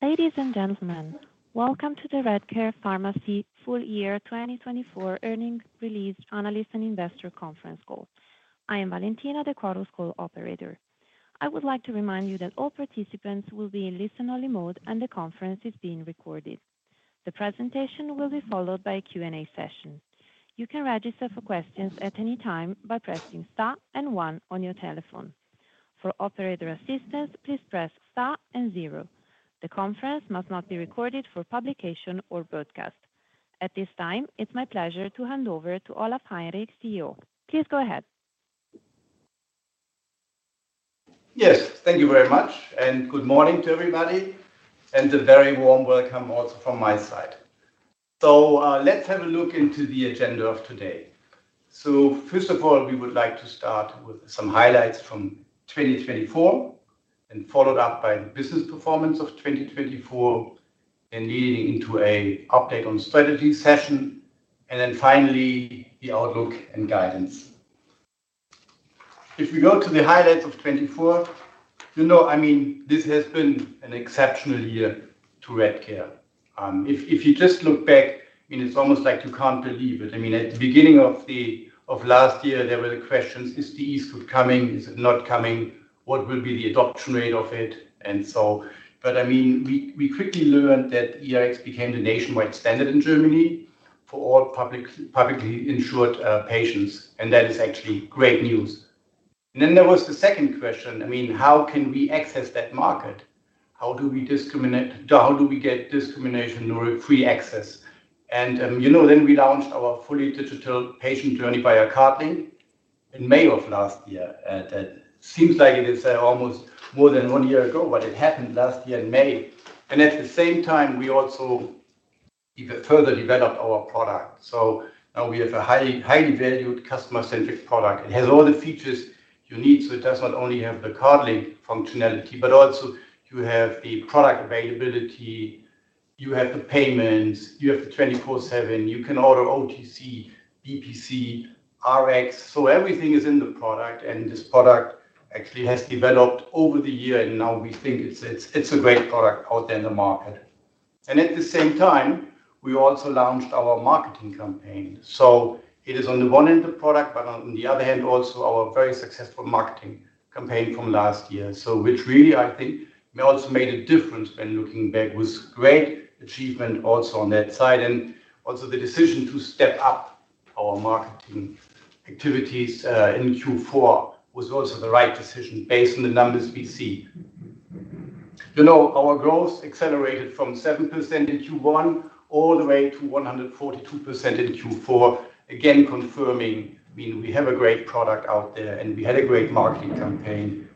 Ladies and gentlemen, welcome to the Redcare Pharmacy Full Year 2024 Earnings Release Analyst and Investor Conference Call. I am Valentina, the Quartus Call Operator. I would like to remind you that all participants will be in listen-only mode and the conference is being recorded. The presentation will be followed by a Q&A session. You can register for questions at any time by pressing star and one on your telephone. For operator assistance, please press star and zero. The conference must not be recorded for publication or broadcast. At this time, it's my pleasure to hand over to Olaf Heinrich, CEO. Please go ahead. Yes, thank you very much, and good morning to everybody, and a very warm welcome also from my side. Let's have a look into the agenda of today. First of all, we would like to start with some highlights from 2024, followed up by the business performance of 2024, and leading into an update on strategy session, and then finally the outlook and guidance. If we go to the highlights of 2024, you know, I mean, this has been an exceptional year to Redcare. If you just look back, I mean, it's almost like you can't believe it. I mean, at the beginning of last year, there were the questions: Is the e-scoot coming? Is it not coming? What will be the adoption rate of it? I mean, we quickly learned that e-Rx became the nationwide standard in Germany for all publicly insured patients, and that is actually great news. There was the second question: I mean, how can we access that market? How do we discriminate? How do we get discrimination-free access? You know, then we launched our fully digital patient journey via CardLink in May of last year. That seems like it is almost more than one year ago, but it happened last year in May. At the same time, we also further developed our product. Now we have a highly valued customer-centric product. It has all the features you need, so it does not only have the CardLink functionality, but also you have the product availability, you have the payments, you have the 24/7, you can order OTC, BPC, Rx, so everything is in the product, and this product actually has developed over the year, and now we think it is a great product out there in the market. At the same time, we also launched our marketing campaign. It is on the one end of the product, but on the other hand, also our very successful marketing campaign from last year, which really, I think, also made a difference when looking back, was a great achievement also on that side. Also the decision to step up our marketing activities in Q4 was the right decision based on the numbers we see. You know, our growth accelerated from 7% in Q1 all the way to 142% in Q4, again confirming, I mean, we have a great product out there and we had a great marketing campaign.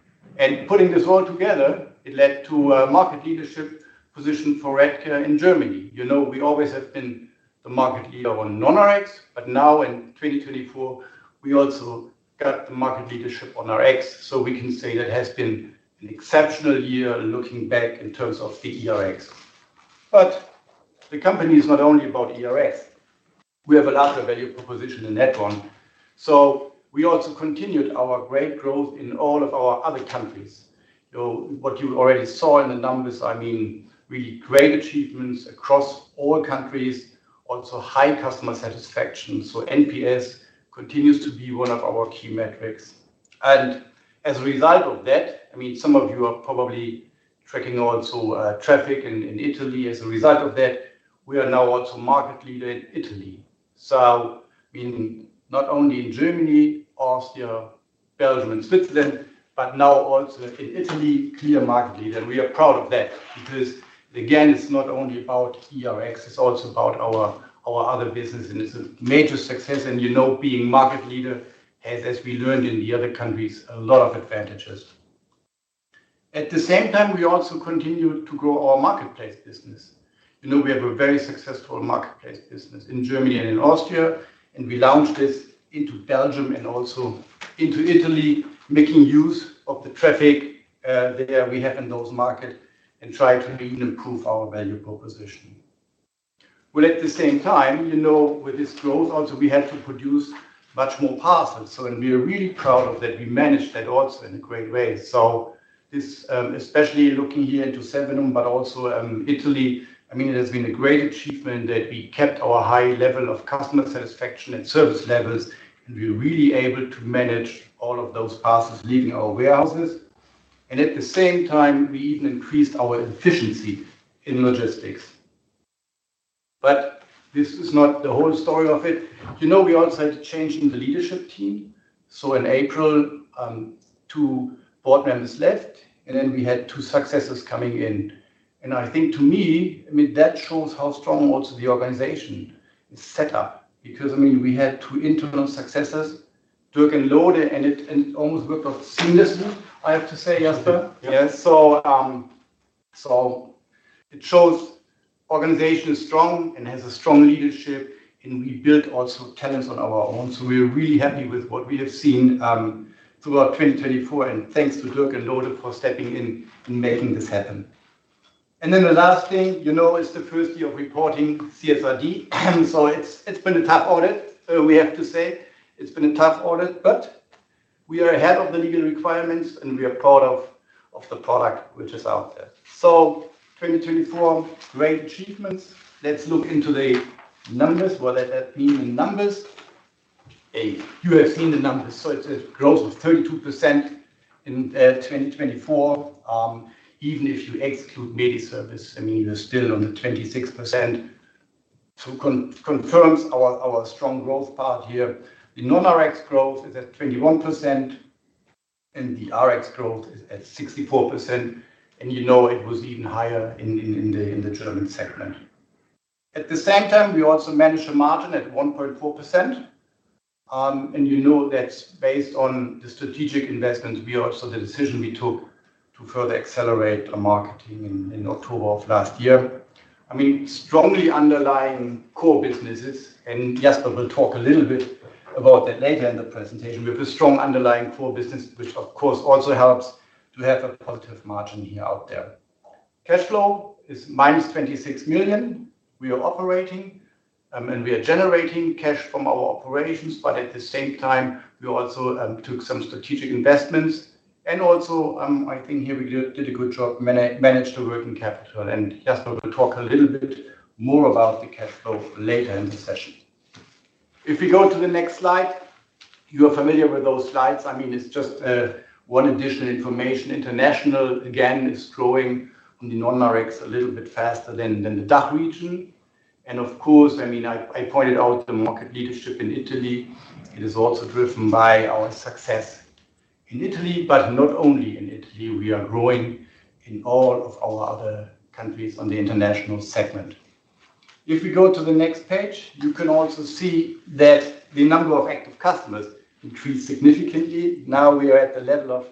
Putting this all together, it led to a market leadership position for Redcare in Germany. You know, we always have been the market leader on non-Rx, but now in 2024, we also got the market leadership on Rx, so we can say that has been an exceptional year looking back in terms of the e-Rx. The company is not only about e-Rx. We have a lot of value proposition in that one. We also continued our great growth in all of our other countries. What you already saw in the numbers, I mean, really great achievements across all countries, also high customer satisfaction. NPS continues to be one of our key metrics. As a result of that, I mean, some of you are probably tracking also traffic in Italy. As a result of that, we are now also market leader in Italy. I mean, not only in Germany, Austria, Belgium, and Switzerland, but now also in Italy, clear market leader. We are proud of that because, again, it's not only about e-Rx, it's also about our other business, and it's a major success. You know, being market leader has, as we learned in the other countries, a lot of advantages. At the same time, we also continue to grow our marketplace business. You know, we have a very successful marketplace business in Germany and in Austria, and we launched this into Belgium and also into Italy, making use of the traffic there we have in those markets and try to improve our value proposition. At the same time, you know, with this growth, also we had to produce much more parcels. We are really proud of that we managed that also in a great way. This, especially looking here into Sevenum, but also Italy, I mean, it has been a great achievement that we kept our high level of customer satisfaction and service levels, and we were really able to manage all of those parcels leaving our warehouses. At the same time, we even increased our efficiency in logistics. This is not the whole story of it. You know, we also had a change in the leadership team. In April, two board members left, and then we had two successors coming in. I think to me, I mean, that shows how strong also the organization is set up because, I mean, we had two internal successors, Dirk and Lode, and it almost worked out seamlessly, I have to say, Jasper. It shows the organization is strong and has a strong leadership, and we built also talents on our own. We are really happy with what we have seen throughout 2024, and thanks to Dirk and Lode for stepping in and making this happen. The last thing, you know, is the first year of reporting CSRD. It has been a tough audit, we have to say. It has been a tough audit, but we are ahead of the legal requirements, and we are proud of the product which is out there. 2024, great achievements. Let's look into the numbers. What does that mean in numbers? You have seen the numbers. It is a growth of 32% in 2024, even if you exclude media service. I mean, we are still on the 26%, so it confirms our strong growth part here. The non-Rx growth is at 21%, and the Rx growth is at 64%. You know, it was even higher in the German segment. At the same time, we also managed a margin at 1.4%. You know, that is based on the strategic investments, also the decision we took to further accelerate our marketing in October of last year. I mean, strongly underlying core businesses, and Jasper will talk a little bit about that later in the presentation, we have a strong underlying core business, which of course also helps to have a positive margin here out there. Cash flow is minus 26 million. We are operating, and we are generating cash from our operations, but at the same time, we also took some strategic investments. I think here we did a good job, managed to work in capital. Jasper will talk a little bit more about the cash flow later in the session. If we go to the next slide, you are familiar with those slides. I mean, it's just one additional information. International, again, is growing on the non-Rx a little bit faster than the DACH region. I mean, I pointed out the market leadership in Italy. It is also driven by our success in Italy, but not only in Italy. We are growing in all of our other countries on the international segment. If we go to the next page, you can also see that the number of active customers increased significantly. Now we are at the level of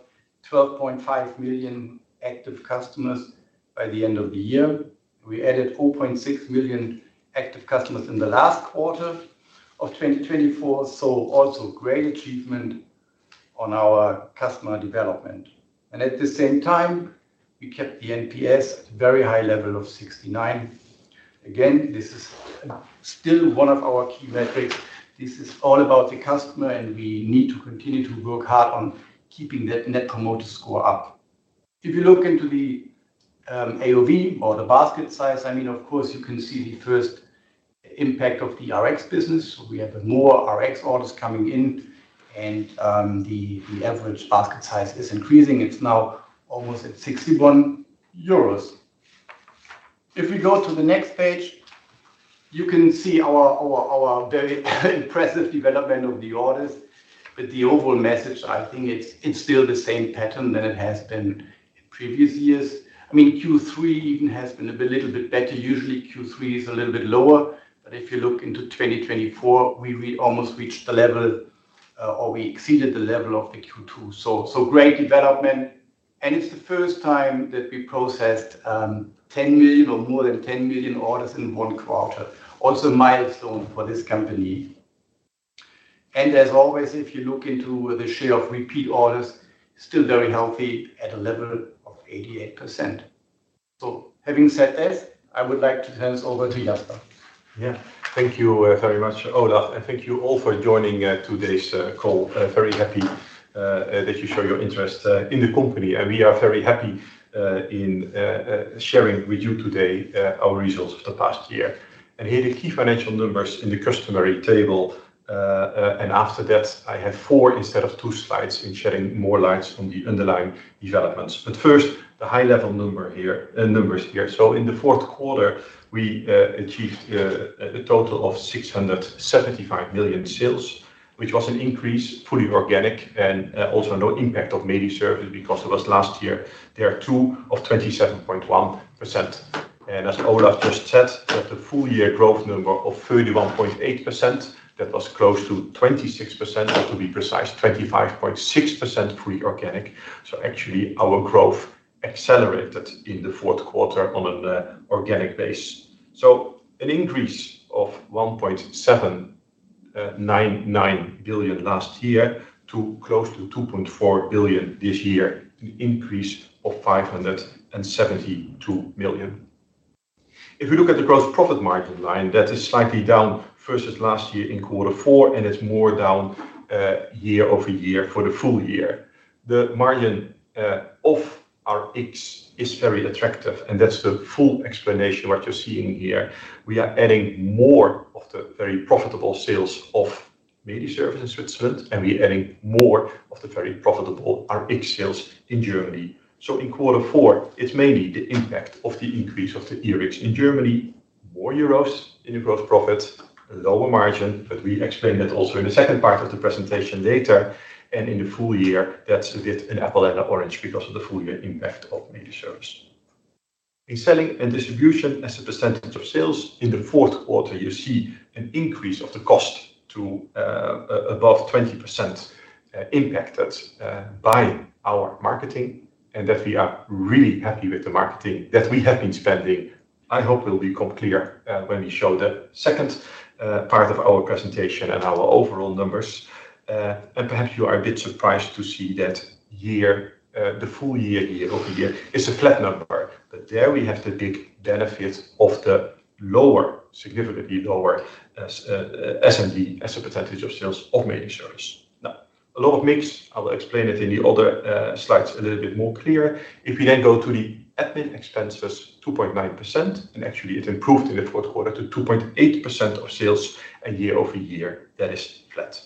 12.5 million active customers by the end of the year. We added 0.6 million active customers in the last quarter of 2024, so also great achievement on our customer development. At the same time, we kept the NPS at a very high level of 69. Again, this is still one of our key metrics. This is all about the customer, and we need to continue to work hard on keeping that net promoter score up. If you look into the AOV or the basket size, I mean, of course, you can see the first impact of the Rx business. We have more Rx orders coming in, and the average basket size is increasing. It is now almost at 61 euros. If we go to the next page, you can see our very impressive development of the orders. The overall message, I think it's still the same pattern than it has been in previous years. I mean, Q3 even has been a little bit better. Usually, Q3 is a little bit lower, but if you look into 2024, we almost reached the level, or we exceeded the level of the Q2. Great development. It's the first time that we processed 10 million or more than 10 million orders in one quarter. Also a milestone for this company. As always, if you look into the share of repeat orders, still very healthy at a level of 88%. Having said that, I would like to turn it over to Jasper. Yeah, thank you very much, Olaf, and thank you all for joining today's call. Very happy that you show your interest in the company. We are very happy in sharing with you today our results of the past year. Here are the key financial numbers in the customary table. After that, I have four instead of two slides in shedding more light on the underlying developments. First, the high-level numbers here. In the fourth quarter, we achieved a total of 675 million sales, which was an increase, fully organic, and also no impact of media service because it was last year. There are two of 27.1%. As Olaf just said, the full year growth number of 31.8%, that was close to 26%, to be precise, 25.6% fully organic. Actually, our growth accelerated in the fourth quarter on an organic base. An increase of 1.799 billion last year to close to 2.4 billion this year, an increase of 572 million. If we look at the gross profit margin line, that is slightly down versus last year in quarter four, and it's more down year-over-year for the full year. The margin of Rx is very attractive, and that's the full explanation of what you're seeing here. We are adding more of the very profitable sales of media service in Switzerland, and we are adding more of the very profitable Rx sales in Germany. In quarter four, it's mainly the impact of the increase of the e-Rx in Germany, more euros in the gross profit, lower margin, but we explain that also in the second part of the presentation later. In the full year, that's a bit an apple and an orange because of the full year impact of media service. In selling and distribution as a percentage of sales, in the fourth quarter, you see an increase of the cost to above 20% impacted by our marketing, and that we are really happy with the marketing that we have been spending. I hope it will become clear when we show the second part of our presentation and our overall numbers. Perhaps you are a bit surprised to see that here, the full year, year-over-year is a flat number, but there we have the big benefit of the lower, significantly lower S&D as a percentage of sales of media service. Now, a lot of mix. I will explain it in the other slides a little bit more clear. If we then go to the admin expenses, 2.9%, and actually it improved in the fourth quarter to 2.8% of sales year-over-year. That is flat.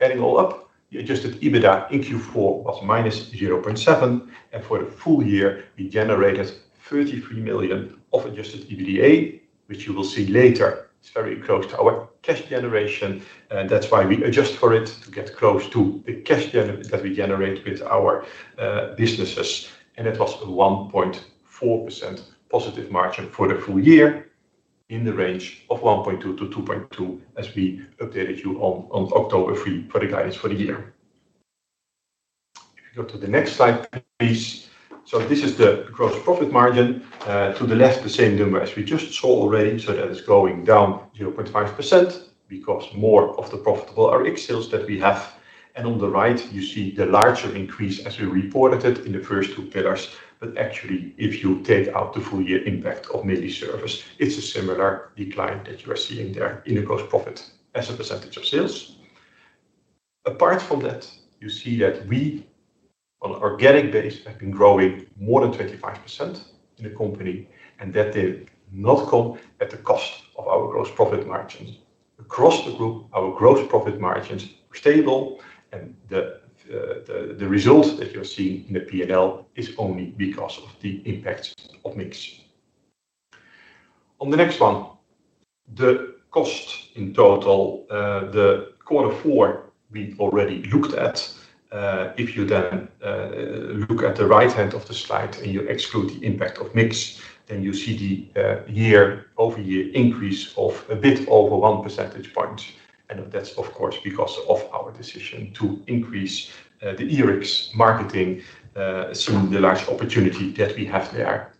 Adding all up, the adjusted EBITDA in Q4 was minus 0.7, and for the full year, we generated 33 million of adjusted EBITDA, which you will see later. It's very close to our cash generation, and that's why we adjust for it to get close to the cash that we generate with our businesses. It was a 1.4% positive margin for the full year in the range of 1.2-2.2%, as we updated you on October 3 for the guidance for the year. If you go to the next slide, please. This is the gross profit margin. To the left, the same number as we just saw already, so that it's going down 0.5% because more of the profitable Rx sales that we have. On the right, you see the larger increase as we reported it in the first two pillars. Actually, if you take out the full year impact of media service, it's a similar decline that you are seeing there in the gross profit as a percentage of sales. Apart from that, you see that we on an organic base have been growing more than 25% in the company, and that did not come at the cost of our gross profit margins. Across the group, our gross profit margins are stable, and the result that you're seeing in the P&L is only because of the impact of mix. On the next one, the cost in total, the quarter four we already looked at. If you then look at the right hand of the slide and you exclude the impact of mix, then you see the year-over-year increase of a bit over one percentage point. That is, of course, because of our decision to increase the e-Rx marketing, seeing the large opportunity that we have there.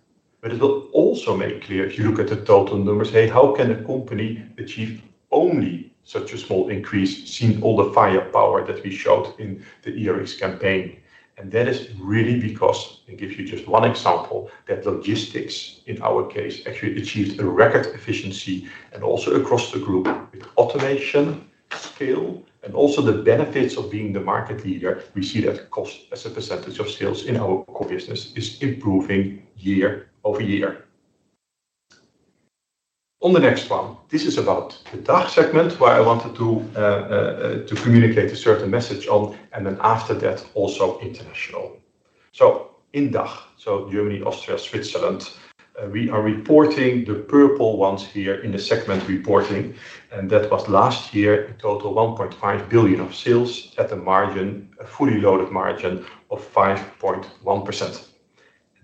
It will also make clear, if you look at the total numbers, hey, how can a company achieve only such a small increase seeing all the firepower that we showed in the e-Rx campaign? That is really because, and give you just one example, logistics in our case actually achieved a record efficiency and also across the group with automation scale and also the benefits of being the market leader. We see that cost as a percentage of sales in our core business is improving year-over-year. On the next one, this is about the DACH segment where I wanted to communicate a certain message on, and then after that, also international. In DACH, so Germany, Austria, Switzerland, we are reporting the purple ones here in the segment reporting, and that was last year, a total of 1.5 billion of sales at a margin, a fully loaded margin of 5.1%.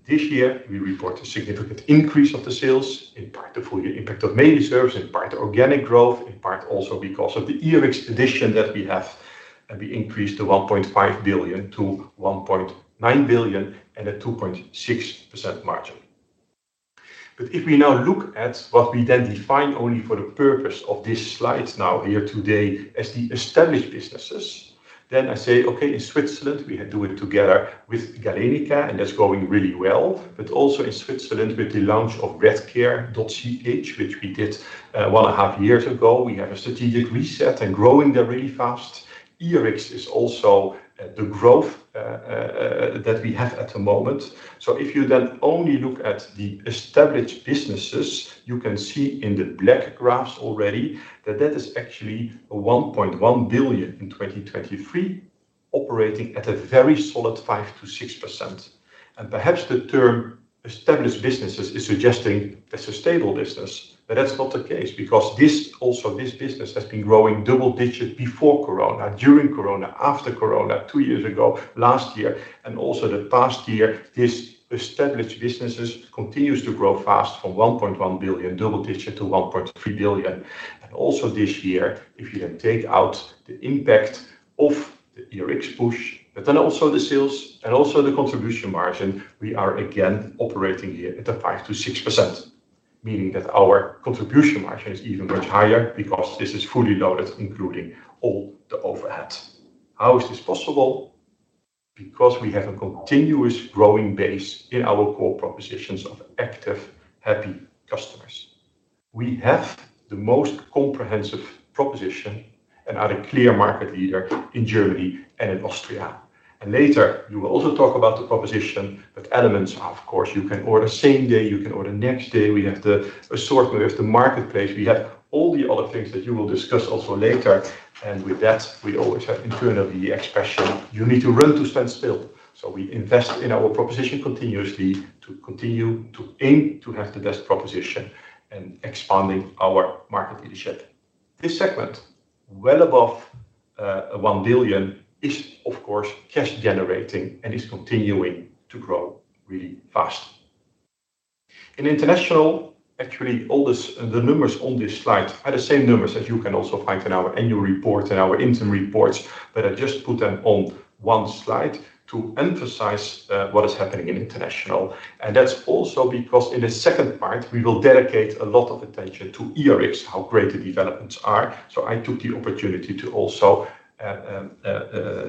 This year, we report a significant increase of the sales in part the full year impact of media service, in part organic growth, in part also because of the e-Rx addition that we have, and we increased the 1.5 billion to 1.9 billion and a 2.6% margin. If we now look at what we then define only for the purpose of this slide now here today as the established businesses, I say, okay, in Switzerland, we do it together with Galenica, and that's going really well. Also in Switzerland, with the launch of Redcare.ch, which we did one and a half years ago, we have a strategic reset and are growing there really fast. e-Rx is also the growth that we have at the moment. If you then only look at the established businesses, you can see in the black graphs already that that is actually 1.1 billion in 2023, operating at a very solid 5%-6%. Perhaps the term established businesses is suggesting that's a stable business, but that's not the case because this business has been growing double digit before corona, during corona, after corona, two years ago, last year, and also the past year, this established businesses continues to grow fast from 1.1 billion, double digit to 1.3 billion. Also this year, if you can take out the impact of the e-Rx push, but then also the sales and also the contribution margin, we are again operating here at a 5%-6%, meaning that our contribution margin is even much higher because this is fully loaded, including all the overhead. How is this possible? Because we have a continuously growing base in our core propositions of active, happy customers. We have the most comprehensive proposition and are a clear market leader in Germany and in Austria. Later you will also talk about the proposition, but elements, of course, you can order same day, you can order next day. We have the assortment, we have the marketplace, we have all the other things that you will discuss also later. With that, we always have internally the expression, you need to run to stand still. We invest in our proposition continuously to continue to aim to have the best proposition and expanding our market leadership. This segment, well above 1 billion, is of course cash generating and is continuing to grow really fast. In international, actually all the numbers on this slide are the same numbers as you can also find in our annual report and our interim reports, but I just put them on one slide to emphasize what is happening in international. That is also because in the second part, we will dedicate a lot of attention to e-Rx, how great the developments are. I took the opportunity to also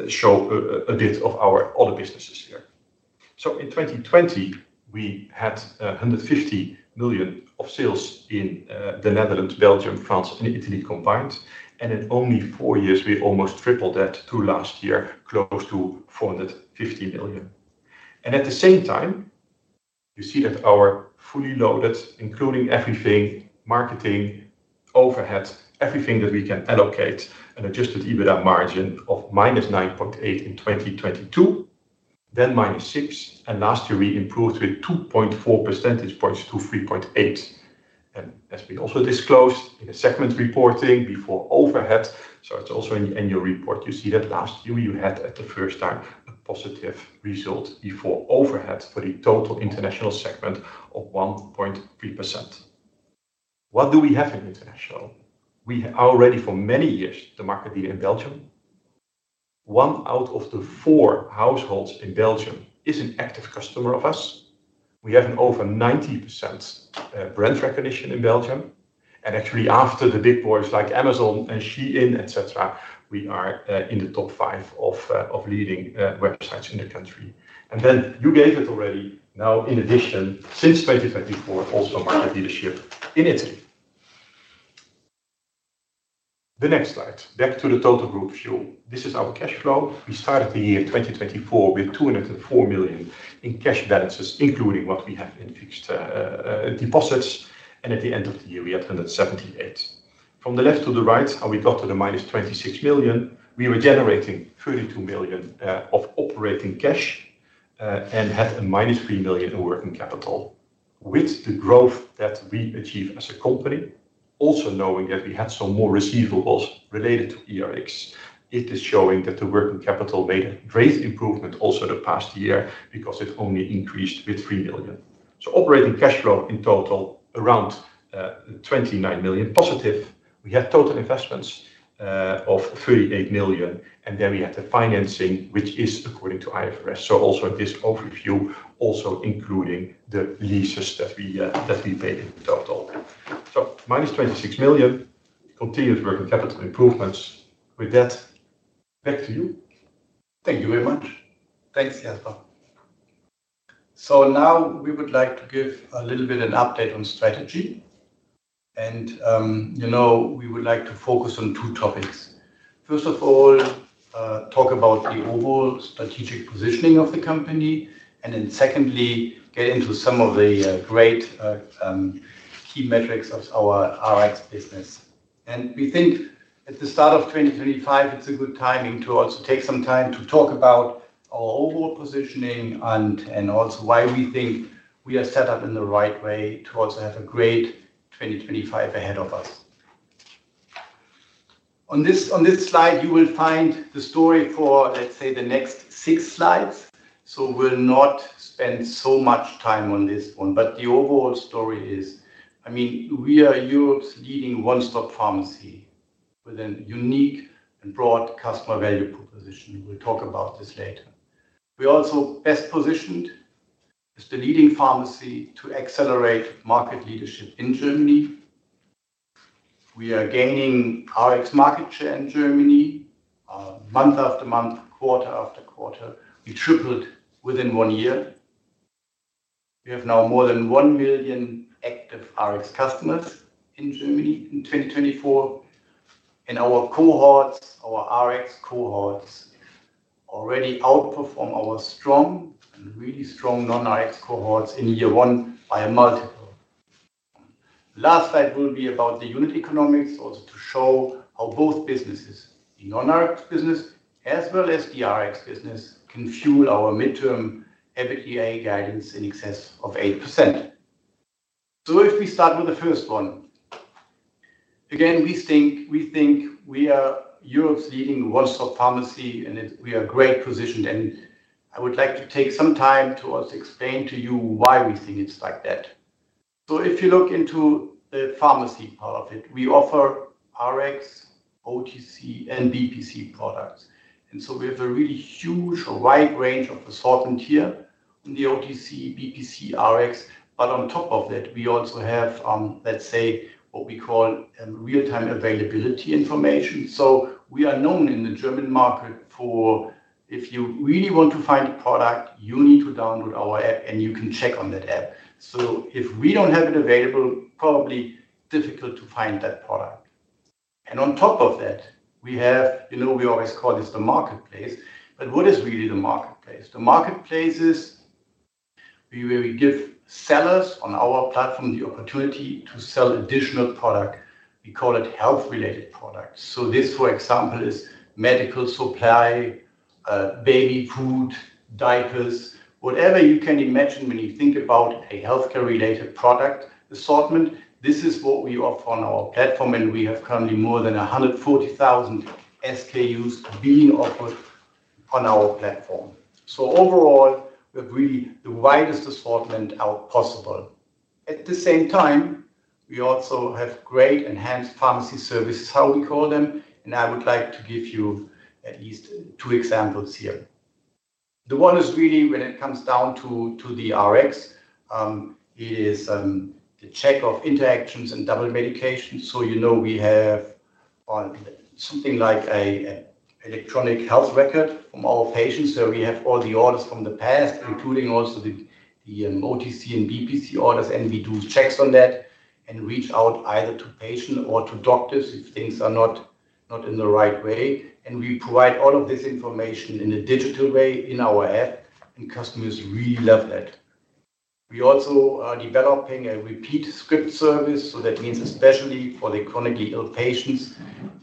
show a bit of our other businesses here. In 2020, we had 150 million of sales in the Netherlands, Belgium, France, and Italy combined. In only four years, we almost tripled that to last year, close to 450 million. At the same time, you see that our fully loaded, including everything, marketing, overhead, everything that we can allocate, an adjusted EBITDA margin of minus 9.8% in 2022, then minus 6%. Last year, we improved with 2.4 percentage points to minus 3.8%. As we also disclosed in the segment reporting before overhead, so it is also in the annual report, you see that last year we had for the first time a positive result before overhead for the total international segment of 1.3%. What do we have in international? We are already for many years the market leader in Belgium. One out of the four households in Belgium is an active customer of us. We have an over 90% brand recognition in Belgium. Actually, after the big boys like Amazon and Shein, etc., we are in the top five of leading websites in the country. You gave it already. In addition, since 2024, also market leadership in Italy. The next slide, back to the total group view. This is our cash flow. We started the year 2024 with 204 million in cash balances, including what we have in fixed deposits. At the end of the year, we had 178 million. From the left to the right, how we got to the minus 26 million, we were generating 32 million of operating cash and had a minus 3 million in working capital. With the growth that we achieve as a company, also knowing that we had some more receivables related to e-Rx, it is showing that the working capital made a great improvement also the past year because it only increased with 3 million. Operating cash flow in total around 29 million positive. We had total investments of 38 million, and we had the financing, which is according to IFRS. This overview also includes the leases that we paid in total. Minus 26 million, continuous working capital improvements. With that, back to you. Thank you very much. Thanks, Jasper. Now we would like to give a little bit of an update on strategy. We would like to focus on two topics. First of all, talk about the overall strategic positioning of the company, and then secondly, get into some of the great key metrics of our Rx business. We think at the start of 2025, it's a good timing to also take some time to talk about our overall positioning and also why we think we are set up in the right way to also have a great 2025 ahead of us. On this slide, you will find the story for, let's say, the next six slides. We will not spend so much time on this one, but the overall story is, I mean, we are Europe's leading one-stop pharmacy with a unique and broad customer value proposition. We will talk about this later. We are also best positioned as the leading pharmacy to accelerate market leadership in Germany. We are gaining Rx market share in Germany month after month, quarter after quarter. We tripled within one year. We have now more than 1 million active Rx customers in Germany in 2024. And our cohorts, our Rx cohorts already outperform our strong and really strong non-Rx cohorts in year one by a multiple. Last slide will be about the unit economics, also to show how both businesses, the non-Rx business as well as the Rx business, can fuel our midterm EBITDA guidance in excess of 8%. If we start with the first one, again, we think we are Europe's leading one-stop pharmacy, and we are great positioned. I would like to take some time to also explain to you why we think it's like that. If you look into the pharmacy part of it, we offer Rx, OTC, and BPC products. We have a really huge wide range of assortment here on the OTC, BPC, Rx. On top of that, we also have, let's say, what we call real-time availability information. We are known in the German market for, if you really want to find a product, you need to download our app, and you can check on that app. If we don't have it available, probably difficult to find that product. On top of that, we have, we always call this the marketplace, but what is really the marketplace? The marketplace is where we give sellers on our platform the opportunity to sell additional product. We call it health-related products. This, for example, is medical supply, baby food, diapers, whatever you can imagine when you think about a healthcare-related product assortment. This is what we offer on our platform, and we have currently more than 140,000 SKUs being offered on our platform. Overall, we have really the widest assortment possible. At the same time, we also have great enhanced pharmacy services, how we call them. I would like to give you at least two examples here. The one is really, when it comes down to the Rx, it is the check of interactions and double medication. You know we have something like an electronic health record from all patients. We have all the orders from the past, including also the OTC and BPC orders, and we do checks on that and reach out either to patients or to doctors if things are not in the right way. We provide all of this information in a digital way in our app, and customers really love that. We are also developing a repeat script service. That means especially for the chronically ill patients,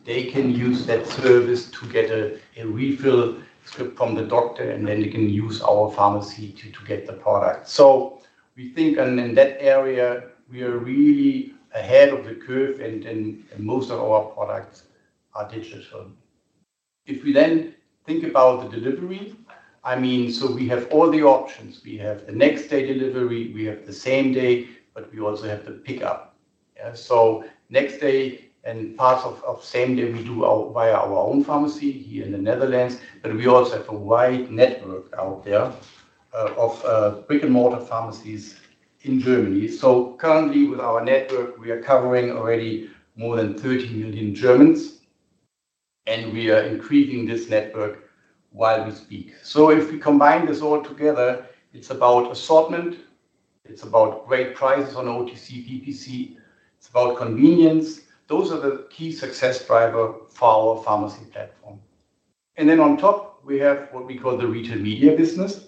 they can use that service to get a refill script from the doctor, and then they can use our pharmacy to get the product. We think in that area, we are really ahead of the curve, and most of our products are digital. If we then think about the delivery, I mean, we have all the options. We have the next day delivery, we have the same day, but we also have the pickup. Next day and part of same day, we do via our own pharmacy here in the Netherlands, but we also have a wide network out there of brick-and-mortar pharmacies in Germany. Currently, with our network, we are covering already more than 30 million Germans, and we are increasing this network while we speak. If we combine this all together, it is about assortment, it is about great prices on OTC, BPC, it is about convenience. Those are the key success drivers for our pharmacy platform. On top, we have what we call the retail media business.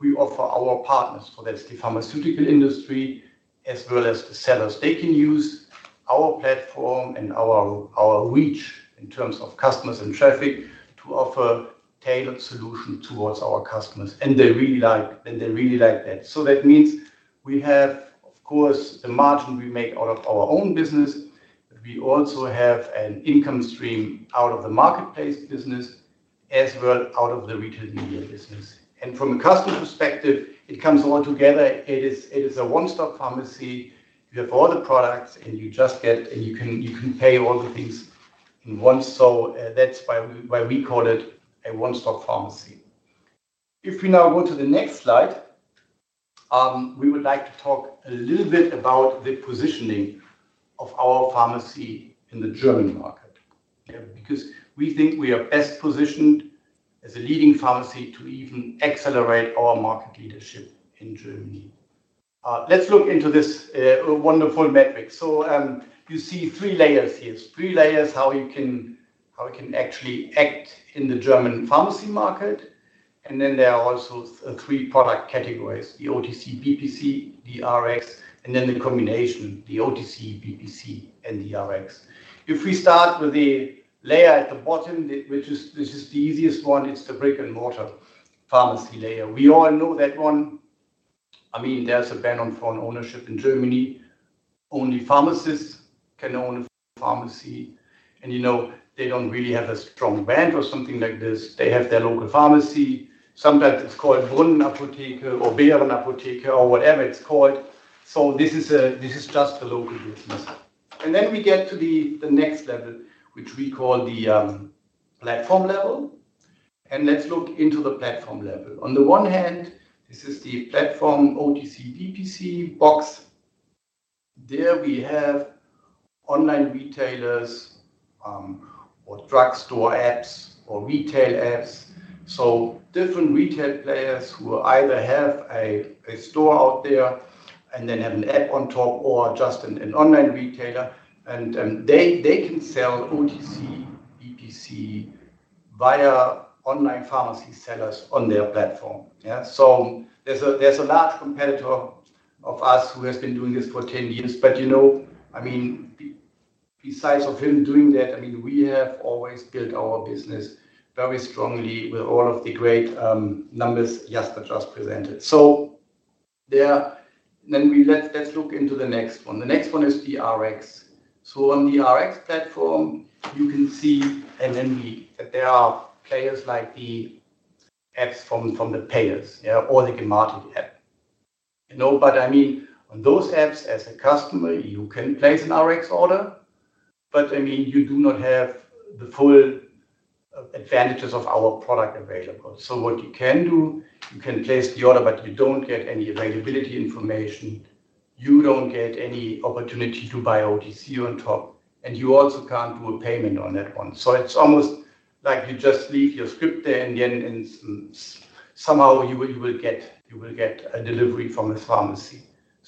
We offer our partners, so that is the pharmaceutical industry, as well as the sellers. They can use our platform and our reach in terms of customers and traffic to offer tailored solutions towards our customers, and they really like that. That means we have, of course, the margin we make out of our own business, but we also have an income stream out of the marketplace business, as well out of the retail media business. From a customer perspective, it comes all together. It is a one-stop pharmacy. You have all the products, and you just get, and you can pay all the things in one. That is why we call it a one-stop pharmacy. If we now go to the next slide, we would like to talk a little bit about the positioning of our pharmacy in the German market, because we think we are best positioned as a leading pharmacy to even accelerate our market leadership in Germany. Let's look into this wonderful metric. You see three layers here, three layers how you can actually act in the German pharmacy market. There are also three product categories: the OTC, BPC, the Rx, and then the combination, the OTC, BPC, and the Rx. If we start with the layer at the bottom, which is the easiest one, it's the brick-and-mortar pharmacy layer. We all know that one. I mean, there's a ban on foreign ownership in Germany. Only pharmacists can own a pharmacy. They don't really have a strong brand or something like this. They have their local pharmacy. Sometimes it's called Brunnenapotheke or Bärenapotheke or whatever it's called. This is just a local business. We get to the next level, which we call the platform level. Let's look into the platform level. On the one hand, this is the platform OTC, BPC, box. There we have online retailers or drugstore apps or retail apps. Different retail players either have a store out there and then have an app on top or just an online retailer, and they can sell OTC, BPC via online pharmacy sellers on their platform. There is a large competitor of us who has been doing this for 10 years. I mean, besides of him doing that, we have always built our business very strongly with all of the great numbers Jasper just presented. Let's look into the next one. The next one is the Rx. On the Rx platform, you can see that there are players like the apps from the payers or the Gmarket app. I mean, on those apps, as a customer, you can place an Rx order, but I mean, you do not have the full advantages of our product available. What you can do, you can place the order, but you do not get any availability information. You do not get any opportunity to buy OTC on top, and you also cannot do a payment on that one. It is almost like you just leave your script there, and then somehow you will get a delivery from a pharmacy.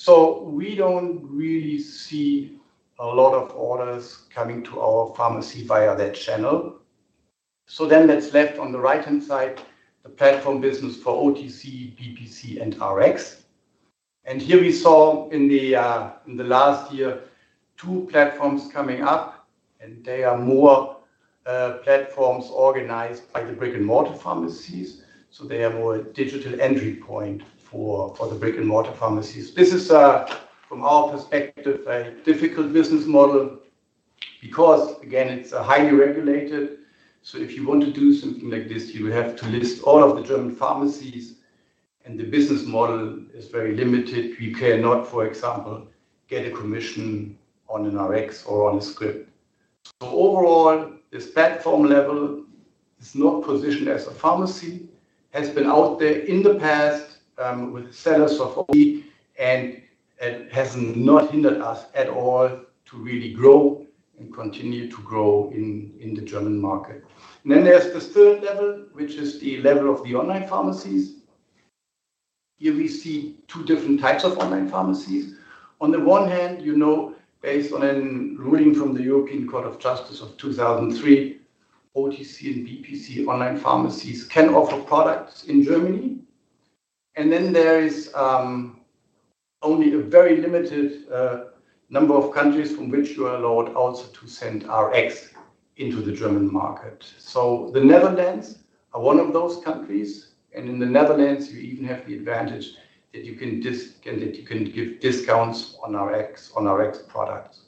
We do not really see a lot of orders coming to our pharmacy via that channel. That is left on the right-hand side, the platform business for OTC, BPC, and Rx. Here we saw in the last year two platforms coming up, and they are more platforms organized by the brick-and-mortar pharmacies. They are more a digital entry point for the brick-and-mortar pharmacies. This is, from our perspective, a difficult business model because, again, it is highly regulated. If you want to do something like this, you have to list all of the German pharmacies, and the business model is very limited. We cannot, for example, get a commission on an Rx or on a script. Overall, this platform level is not positioned as a pharmacy. It has been out there in the past with sellers of. It has not hindered us at all to really grow and continue to grow in the German market. There is the third level, which is the level of the online pharmacies. Here we see two different types of online pharmacies. On the one hand, based on a ruling from the European Court of Justice of 2003, OTC and BPC online pharmacies can offer products in Germany. There is only a very limited number of countries from which you are allowed also to send Rx into the German market. The Netherlands are one of those countries. In the Netherlands, you even have the advantage that you can give discounts on Rx products.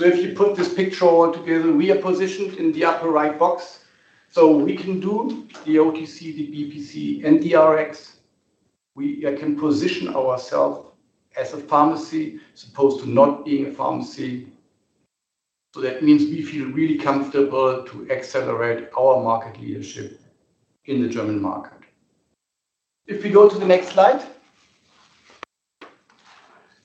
If you put this picture all together, we are positioned in the upper right box. We can do the OTC, the BPC, and the Rx. We can position ourselves as a pharmacy as opposed to not being a pharmacy. That means we feel really comfortable to accelerate our market leadership in the German market. If we go to the next slide,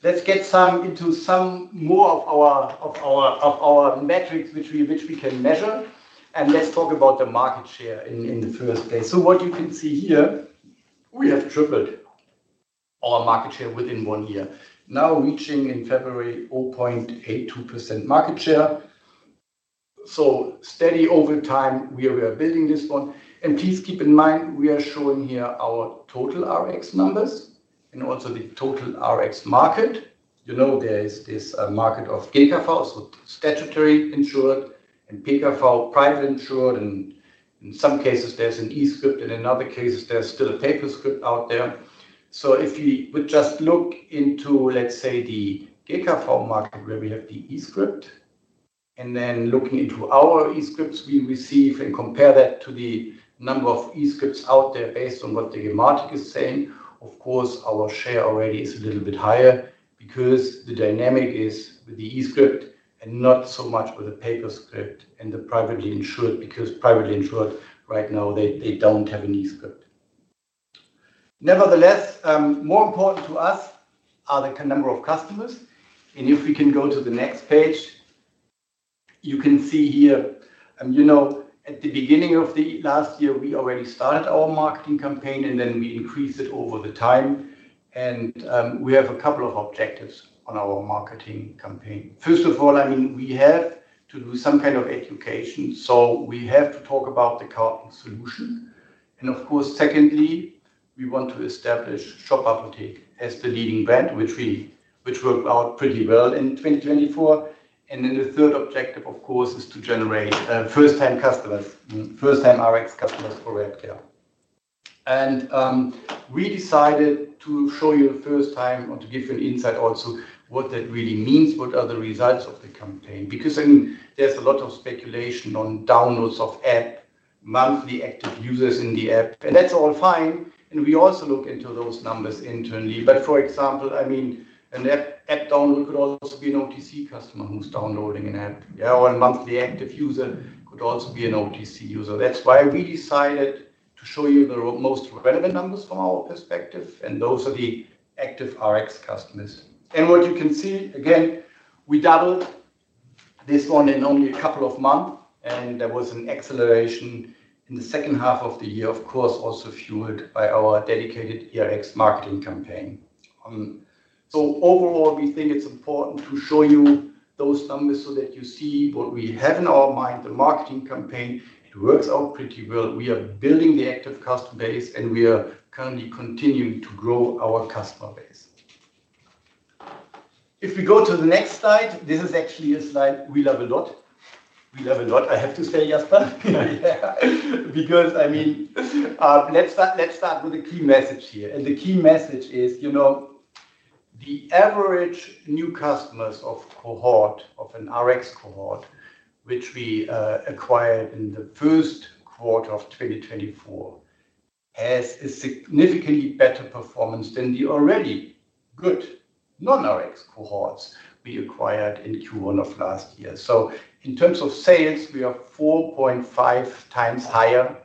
let's get into some more of our metrics which we can measure, and let's talk about the market share in the first place. What you can see here, we have tripled our market share within one year, now reaching in February 0.82% market share. Steady over time, we are building this one. Please keep in mind, we are showing here our total Rx numbers and also the total Rx market. There is this market of GKV, so statutory insured, and PKV, private insured. In some cases, there's an e-script, and in other cases, there's still a paper script out there. If we would just look into, let's say, the GKV market where we have the e-script, and then looking into our e-scripts, we receive and compare that to the number of e-scripts out there based on what the [margin] is saying. Of course, our share already is a little bit higher because the dynamic is with the e-script and not so much with the paper script and the privately insured because privately insured right now, they do not have an e-script. Nevertheless, more important to us are the number of customers. If we can go to the next page, you can see here, at the beginning of the last year, we already started our marketing campaign, and then we increased it over the time. We have a couple of objectives on our marketing campaign. First of all, I mean, we have to do some kind of education. We have to talk about the current solution. Of course, secondly, we want to establish Shop Apotheke as the leading brand, which worked out pretty well in 2024. The third objective, of course, is to generate first-time Rx customers for Redcare. We decided to show you first time or to give you an insight also what that really means, what are the results of the campaign. There is a lot of speculation on downloads of app, monthly active users in the app. That is all fine. We also look into those numbers internally. For example, an app download could also be an OTC customer who is downloading an app, or a monthly active user could also be an OTC user. That is why we decided to show you the most relevant numbers from our perspective, and those are the active Rx customers. What you can see, again, we doubled this one in only a couple of months, and there was an acceleration in the second half of the year, of course, also fueled by our dedicated e-Rx marketing campaign. Overall, we think it's important to show you those numbers so that you see what we have in our mind, the marketing campaign. It works out pretty well. We are building the active customer base, and we are currently continuing to grow our customer base. If we go to the next slide, this is actually a slide we love a lot. We love a lot, I have to say, Jasper. Let's start with a key message here. The key message is the average new customers of an Rx cohort, which we acquired in the first quarter of 2024, has a significantly better performance than the already good non-Rx cohorts we acquired in Q1 of last year. In terms of sales, we are 4.5 times higher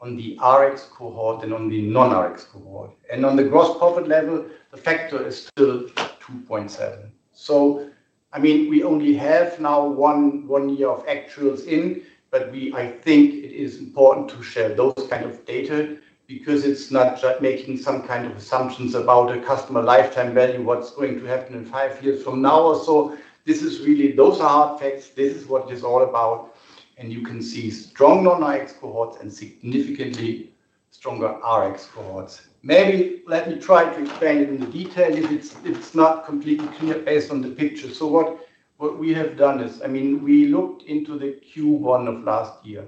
on the Rx cohort than on the non-Rx cohort. On the gross profit level, the factor is still 2.7. I mean, we only have now one year of actuals in, but I think it is important to share those kinds of data because it is not just making some kind of assumptions about a customer lifetime value, what is going to happen in five years from now or so. Those are hard facts. This is what it is all about. You can see strong non-Rx cohorts and significantly stronger Rx cohorts. Maybe let me try to explain it in detail if it's not completely clear based on the picture. What we have done is, I mean, we looked into the Q1 of last year,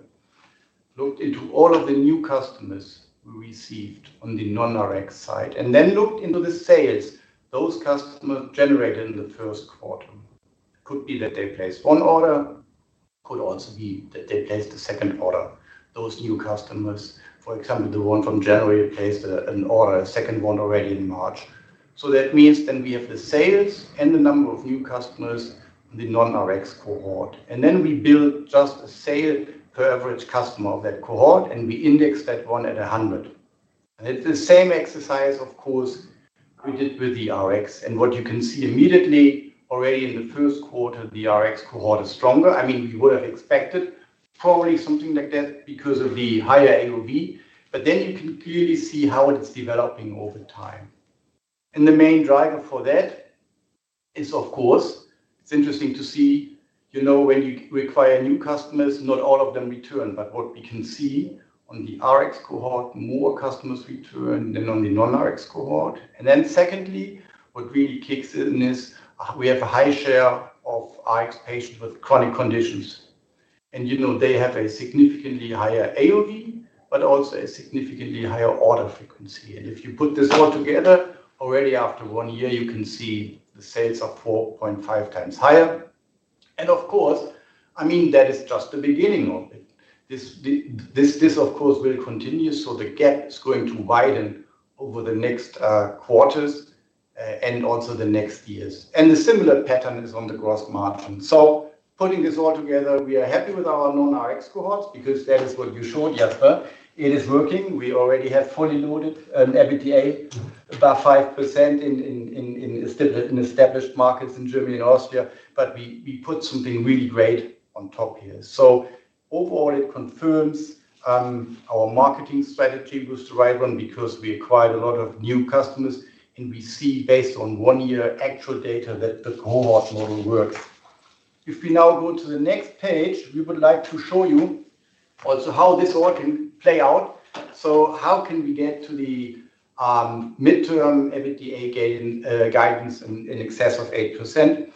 looked into all of the new customers we received on the non-Rx side, and then looked into the sales those customers generated in the first quarter. It could be that they placed one order. It could also be that they placed a second order, those new customers. For example, the one from January placed an order, a second one already in March. That means we have the sales and the number of new customers in the non-Rx cohort. Then we build just a sale per average customer of that cohort, and we index that one at 100. It's the same exercise, of course, we did with the Rx. What you can see immediately, already in the first quarter, the Rx cohort is stronger. I mean, we would have expected probably something like that because of the higher AOV. You can clearly see how it's developing over time. The main driver for that is, of course, it's interesting to see when you require new customers, not all of them return. What we can see on the Rx cohort, more customers return than on the non-Rx cohort. Secondly, what really kicks in is we have a high share of Rx patients with chronic conditions. They have a significantly higher AOV, but also a significantly higher order frequency. If you put this all together, already after one year, you can see the sales are 4.5 times higher. Of course, I mean, that is just the beginning of it. This, of course, will continue. The gap is going to widen over the next quarters and also the next years. A similar pattern is on the gross margin. Putting this all together, we are happy with our non-Rx cohorts because that is what you showed, Jasper. It is working. We already have fully loaded an EBITDA above 5% in established markets in Germany and Austria. We put something really great on top here. Overall, it confirms our marketing strategy was the right one because we acquired a lot of new customers. We see based on one year actual data that the cohort model works. If we now go to the next page, we would like to show you also how this all can play out. How can we get to the midterm EBITDA guidance in excess of 8%?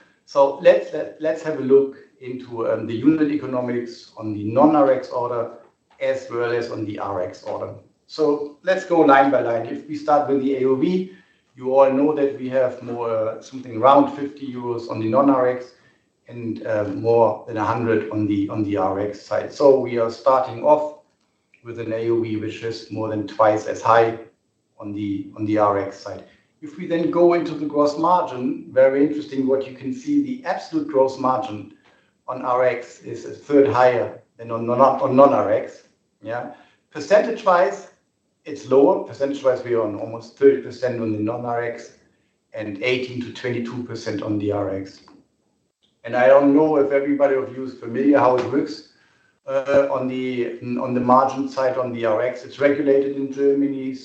Let's have a look into the unit economics on the non-Rx order as well as on the Rx order. Let's go line by line. If we start with the AOV, you all know that we have something around 50 euros on the non-Rx and more than 100 on the Rx side. We are starting off with an AOV, which is more than twice as high on the Rx side. If we then go into the gross margin, very interesting what you can see, the absolute gross margin on Rx is a third higher than on non-Rx. Percentage-wise, it's lower. Percentage-wise, we are on almost 30% on the non-Rx and 18-22% on the Rx. I don't know if everybody of you is familiar how it works on the margin side on the Rx. It's regulated in Germany.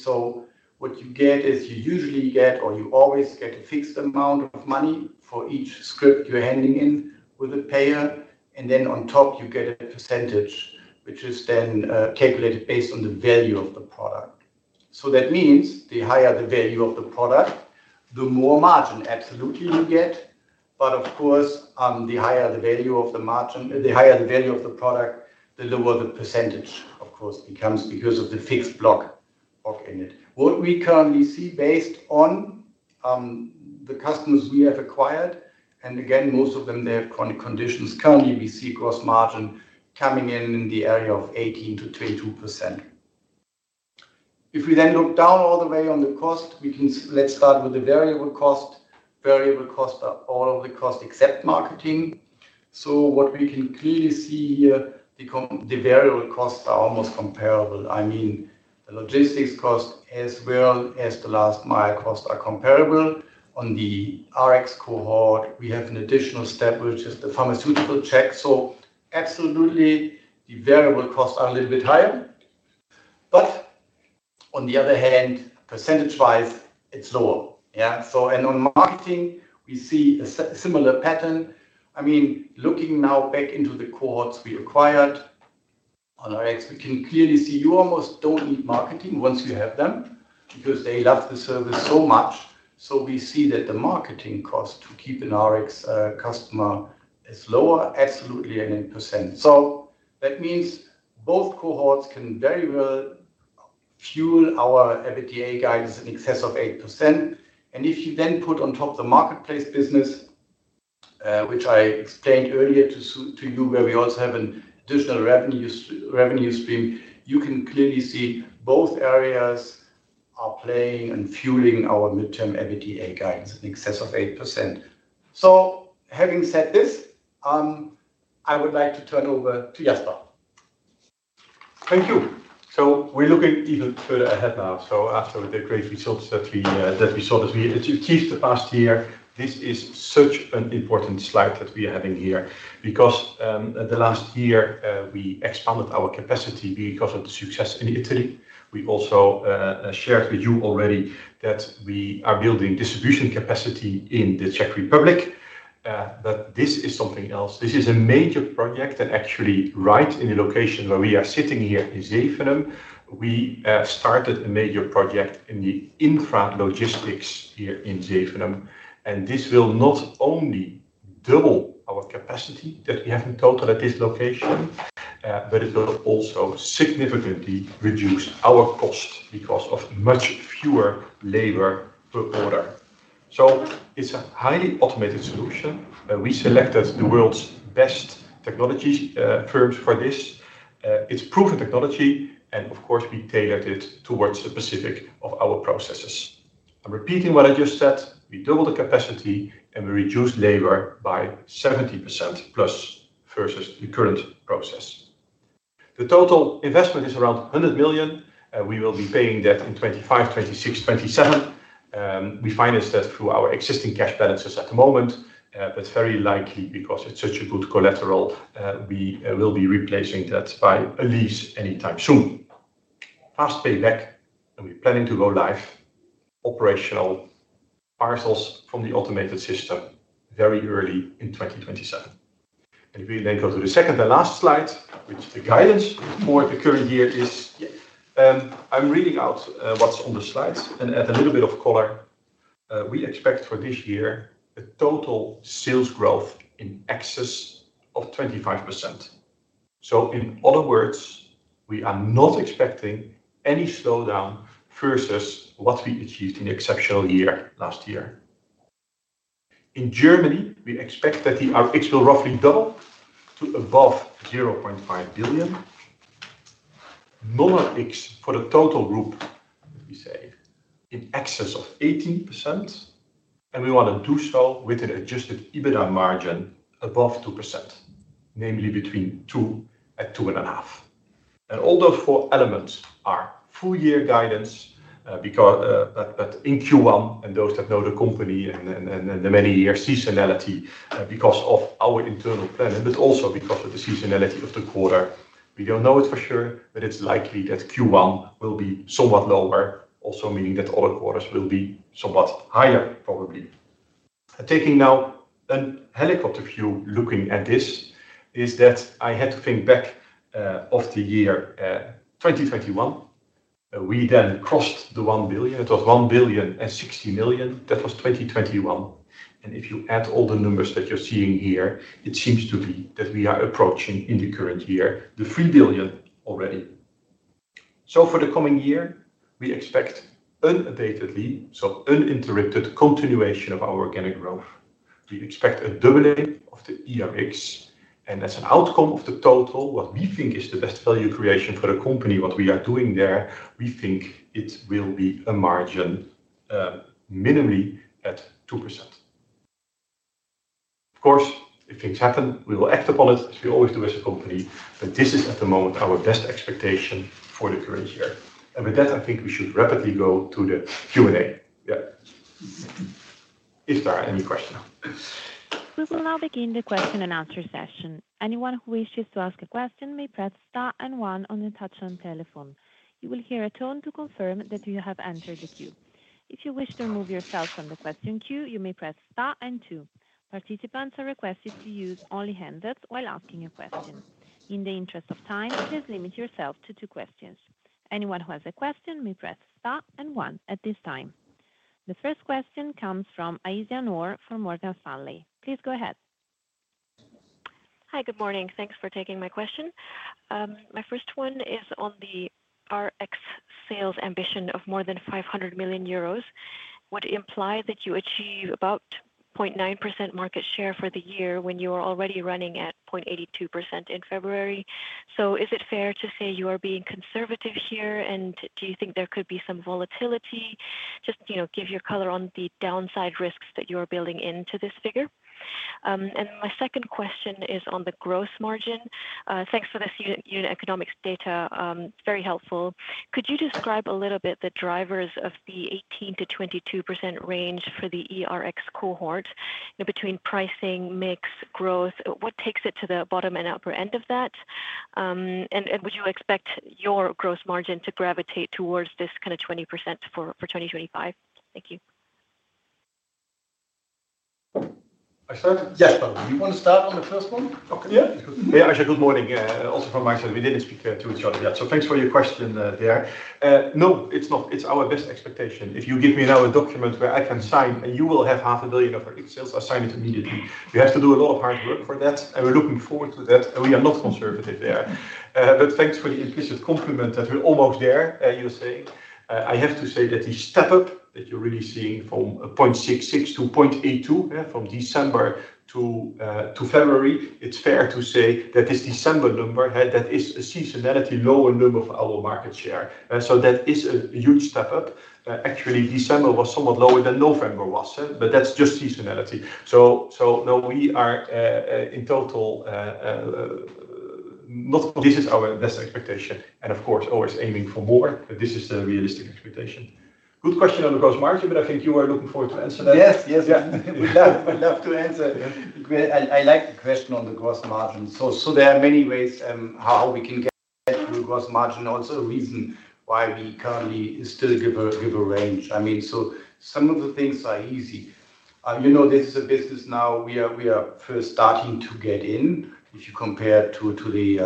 What you get is you usually get or you always get a fixed amount of money for each script you are handing in with a payer. Then on top, you get a percentage, which is then calculated based on the value of the product. That means the higher the value of the product, the more margin absolutely you get. Of course, the higher the value of the margin, the higher the value of the product, the lower the percentage, of course, becomes because of the fixed block in it. What we currently see based on the customers we have acquired, and again, most of them, they have chronic conditions, currently we see gross margin coming in in the area of 18%-22%. If we then look down all the way on the cost, let's start with the variable cost. Variable costs are all of the costs except marketing. What we can clearly see here, the variable costs are almost comparable. I mean, the logistics cost as well as the last mile cost are comparable. On the Rx cohort, we have an additional step, which is the pharmaceutical check. Absolutely, the variable costs are a little bit higher. On the other hand, percentage-wise, it is lower. On marketing, we see a similar pattern. I mean, looking now back into the cohorts we acquired on Rx, we can clearly see you almost do not need marketing once you have them because they love the service so much. We see that the marketing cost to keep an Rx customer is lower, absolutely, and in percent. That means both cohorts can very well fuel our EBITDA guidance in excess of 8%. If you then put on top the marketplace business, which I explained earlier to you, where we also have an additional revenue stream, you can clearly see both areas are playing and fueling our midterm EBITDA guidance in excess of 8%. Having said this, I would like to turn over to Jasper. Thank you. We are looking even further ahead now. After the great results that we saw this year, it achieved the past year. This is such an important slide that we are having here because the last year, we expanded our capacity because of the success in Italy. We also shared with you already that we are building distribution capacity in the Czech Republic. This is something else. This is a major project that actually right in the location where we are sitting here in Sevenum, we started a major project in the infra logistics here in Sevenum. This will not only double our capacity that we have in total at this location, but it will also significantly reduce our cost because of much fewer labor per order. It is a highly automated solution. We selected the world's best technology firms for this. It is proven technology. Of course, we tailored it towards the specific of our processes. I am repeating what I just said. We doubled the capacity and we reduced labor by 70% plus versus the current process. The total investment is around 100 million. We will be paying that in 2025, 2026, 2027. We financed that through our existing cash balances at the moment, but very likely because it's such a good collateral, we will be replacing that by at least anytime soon. Fast payback, and we're planning to go live. Operational parcels from the automated system very early in 2027. If we then go to the second and last slide, which the guidance for the current year is, I'm reading out what's on the slides and add a little bit of color. We expect for this year a total sales growth in excess of 25%. In other words, we are not expecting any slowdown versus what we achieved in the exceptional year last year. In Germany, we expect that the Rx will roughly double to above 0.5 billion. Non-Rx for the total group, as we say, in excess of 18%. We want to do so with an adjusted EBITDA margin above 2%, namely between 2% and 2.5%. All those four elements are full year guidance, but in Q1, and those that know the company and the many year seasonality because of our internal plan, but also because of the seasonality of the quarter, we do not know it for sure, but it is likely that Q1 will be somewhat lower, also meaning that all the quarters will be somewhat higher, probably. Taking now a helicopter view, looking at this, I had to think back of the year 2021. We then crossed the 1 billion. It was 1 billion and 60 million. That was 2021. If you add all the numbers that you are seeing here, it seems to be that we are approaching in the current year the 3 billion already. For the coming year, we expect unabatedly, so uninterrupted continuation of our organic growth. We expect a doubling of the e-Rx. As an outcome of the total, what we think is the best value creation for the company, what we are doing there, we think it will be a margin minimally at 2%. Of course, if things happen, we will act upon it, as we always do as a company. This is at the moment our best expectation for the current year. With that, I think we should rapidly go to the Q&A. Yeah. Is there any question? We will now begin the question and answer session. Anyone who wishes to ask a question may press star and one on the touch on telephone. You will hear a tone to confirm that you have entered the queue. If you wish to remove yourself from the question queue, you may press star and two. Participants are requested to use only hands up while asking a question. In the interest of time, please limit yourself to two questions. Anyone who has a question may press star and one at this time. The first question comes from Aisyah Noor from Morgan Stanley. Please go ahead. Hi, good morning. Thanks for taking my question. My first one is on the Rx sales ambition of more than 500 million euros. Would it imply that you achieve about 0.9% market share for the year when you are already running at 0.82% in February? Is it fair to say you are being conservative here, and do you think there could be some volatility? Just give your color on the downside risks that you are building into this figure. My second question is on the gross margin. Thanks for the unit economics data. Very helpful. Could you describe a little bit the drivers of the 18-22% range for the e-Rx cohort between pricing, mix, growth? What takes it to the bottom and upper end of that? Would you expect your gross margin to gravitate towards this kind of 20% for 2025? Thank you. Yes, do you want to start on the first one? Yeah. Good morning. Also from my side, we did not speak to each other yet. Thanks for your question there. No, it is not. It is our best expectation. If you give me now a document where I can sign, and you will have $500,000 of Rx sales, I will sign it immediately. We have to do a lot of hard work for that, and we are looking forward to that. We are not conservative there. Thanks for the implicit compliment that we're almost there, you're saying. I have to say that the step up that you're really seeing from 0.66 to 0.82 from December to February, it's fair to say that this December number, that is a seasonality lower number for our market share. That is a huge step up. Actually, December was somewhat lower than November was, but that's just seasonality. Now we are in total not. This is our best expectation. Of course, always aiming for more, but this is the realistic expectation. Good question on the gross margin, I think you are looking forward to answer that. Yes, yes. We'd love to answer. I like the question on the gross margin. There are many ways how we can get to the gross margin. Also a reason why we currently still give a range. I mean, some of the things are easy. This is a business now. We are first starting to get in, if you compare to the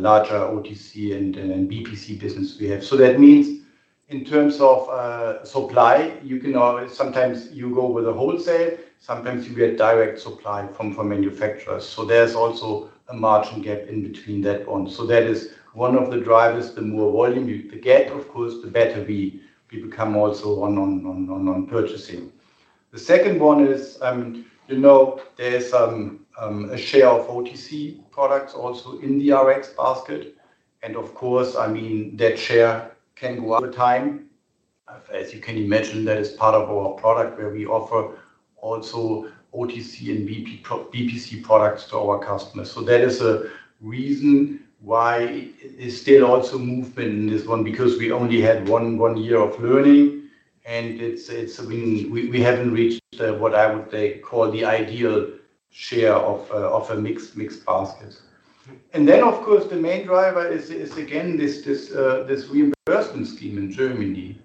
larger OTC and BPC business we have. That means in terms of supply, you can always sometimes you go with a wholesale, sometimes you get direct supply from manufacturers. There is also a margin gap in between that one. That is one of the drivers. The more volume you get, of course, the better we become also on purchasing. The second one is there is a share of OTC products also in the Rx basket. Of course, that share can go over time. As you can imagine, that is part of our product where we offer also OTC and BPC products to our customers. That is a reason why there's still also movement in this one because we only had one year of learning, and we haven't reached what I would call the ideal share of a mixed basket. Of course, the main driver is, again, this reimbursement scheme in Germany.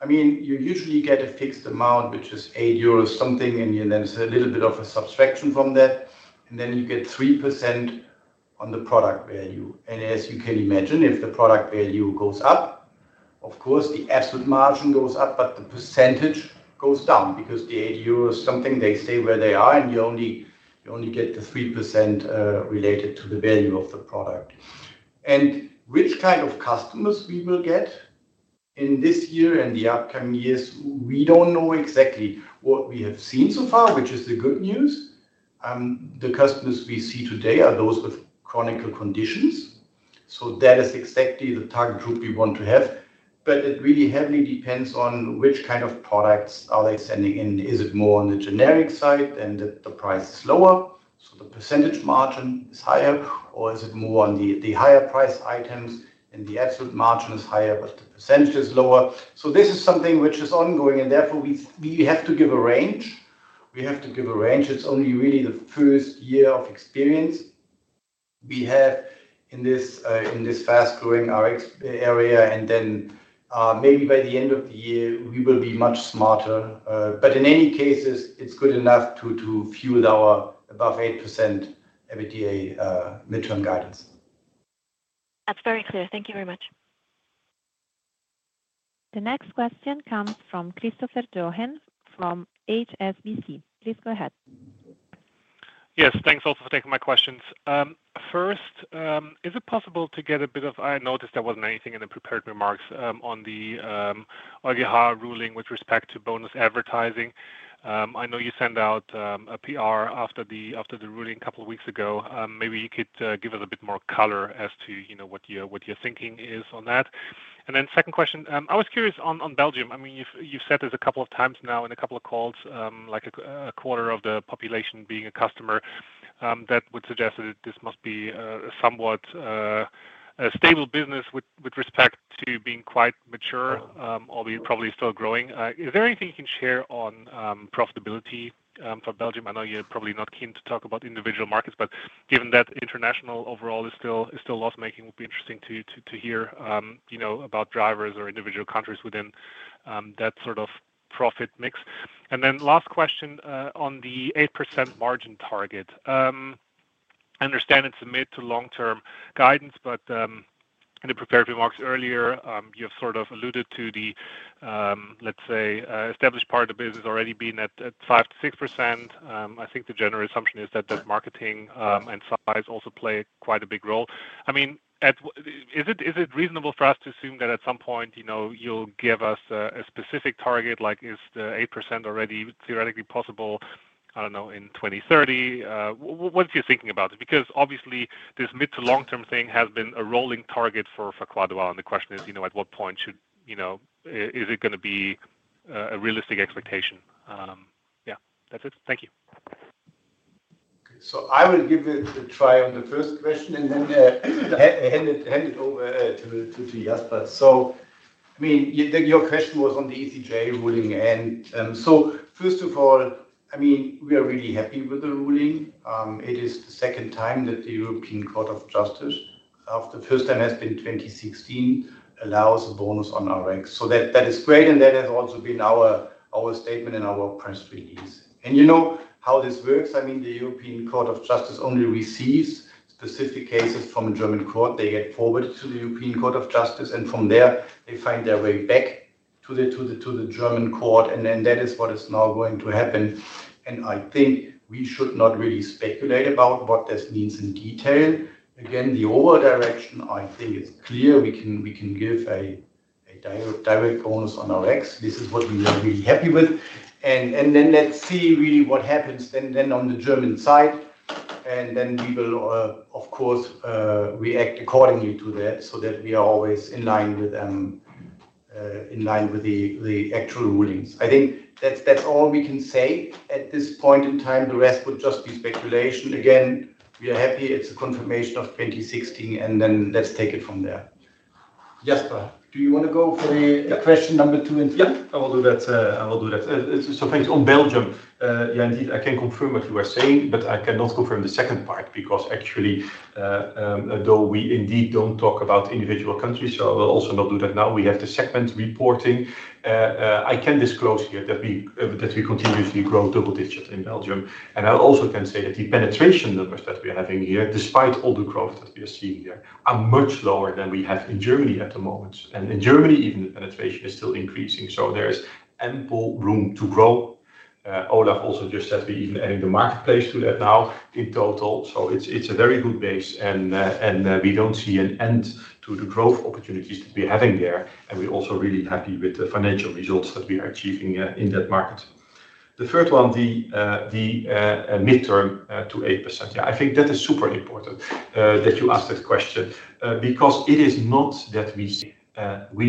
I mean, you usually get a fixed amount, which is 8 euros something, and then there's a little bit of a subtraction from that. Then you get 3% on the product value. As you can imagine, if the product value goes up, of course, the absolute margin goes up, but the percentage goes down because the EUR 8 something, they stay where they are, and you only get the 3% related to the value of the product. Which kind of customers we will get in this year and the upcoming years, we do not know exactly. What we have seen so far, which is the good news, the customers we see today are those with chronical conditions. That is exactly the target group we want to have. It really heavily depends on which kind of products are they sending in. Is it more on the generic side and the price is lower, so the percentage margin is higher, or is it more on the higher price items and the absolute margin is higher, but the percentage is lower? This is something which is ongoing, and therefore we have to give a range. We have to give a range. It is only really the first year of experience we have in this fast-growing Rx area. Maybe by the end of the year, we will be much smarter. In any case, it's good enough to fuel our above 8% EBITDA midterm guidance. That's very clear. Thank you very much. The next question comes from Christopher Johnen from HSBC. Please go ahead. Yes, thanks also for taking my questions. First, is it possible to get a bit of, I noticed there wasn't anything in the prepared remarks on the Algéjar ruling with respect to bonus advertising. I know you sent out a PR after the ruling a couple of weeks ago. Maybe you could give us a bit more color as to what your thinking is on that. Second question, I was curious on Belgium. I mean, you've said this a couple of times now in a couple of calls, like a quarter of the population being a customer. That would suggest that this must be a somewhat stable business with respect to being quite mature or probably still growing. Is there anything you can share on profitability for Belgium? I know you're probably not keen to talk about individual markets, but given that international overall is still loss-making, it would be interesting to hear about drivers or individual countries within that sort of profit mix. Last question on the 8% margin target. I understand it's a mid to long-term guidance, but in the prepared remarks earlier, you have sort of alluded to the, let's say, established part of the business already being at 5%-6%. I think the general assumption is that marketing and size also play quite a big role. I mean, is it reasonable for us to assume that at some point you'll give us a specific target? Like, is the 8% already theoretically possible, I don't know, in 2030? What's your thinking about it? Because obviously, this mid to long-term thing has been a rolling target for quite a while. The question is, at what point is it going to be a realistic expectation? Yeah, that's it. Thank you. Okay. I will give it a try on the first question and then hand it over to Jasper. I mean, your question was on the ECJ ruling. First of all, we are really happy with the ruling. It is the second time that the European Court of Justice, after the first time has been 2016, allows a bonus on Rx. That is great, and that has also been our statement in our press release. You know how this works. I mean, the European Court of Justice only receives specific cases from a German court. They get forwarded to the European Court of Justice, and from there, they find their way back to the German court. That is what is now going to happen. I think we should not really speculate about what this means in detail. Again, the overall direction, I think it's clear. We can give a direct bonus on Rx. This is what we are really happy with. Let's see really what happens then on the German side. We will, of course, react accordingly to that so that we are always in line with the actual rulings. I think that's all we can say at this point in time. The rest would just be speculation. Again, we are happy. It's a confirmation of 2016, and then let's take it from there. Jasper, do you want to go for the question number two instead? Yeah, I will do that. I will do that. Thanks. On Belgium, yeah, indeed, I can confirm what you are saying, but I cannot confirm the second part because actually, though we indeed don't talk about individual countries, I will also not do that now. We have the segment reporting. I can disclose here that we continuously grow double digits in Belgium. I also can say that the penetration numbers that we are having here, despite all the growth that we are seeing here, are much lower than we have in Germany at the moment. In Germany, even the penetration is still increasing. There is ample room to grow. Olaf also just said we're even adding the marketplace to that now in total. It is a very good base, and we do not see an end to the growth opportunities that we are having there. We are also really happy with the financial results that we are achieving in that market. The third one, the midterm to 8%, yeah, I think that is super important that you ask that question because it is not that we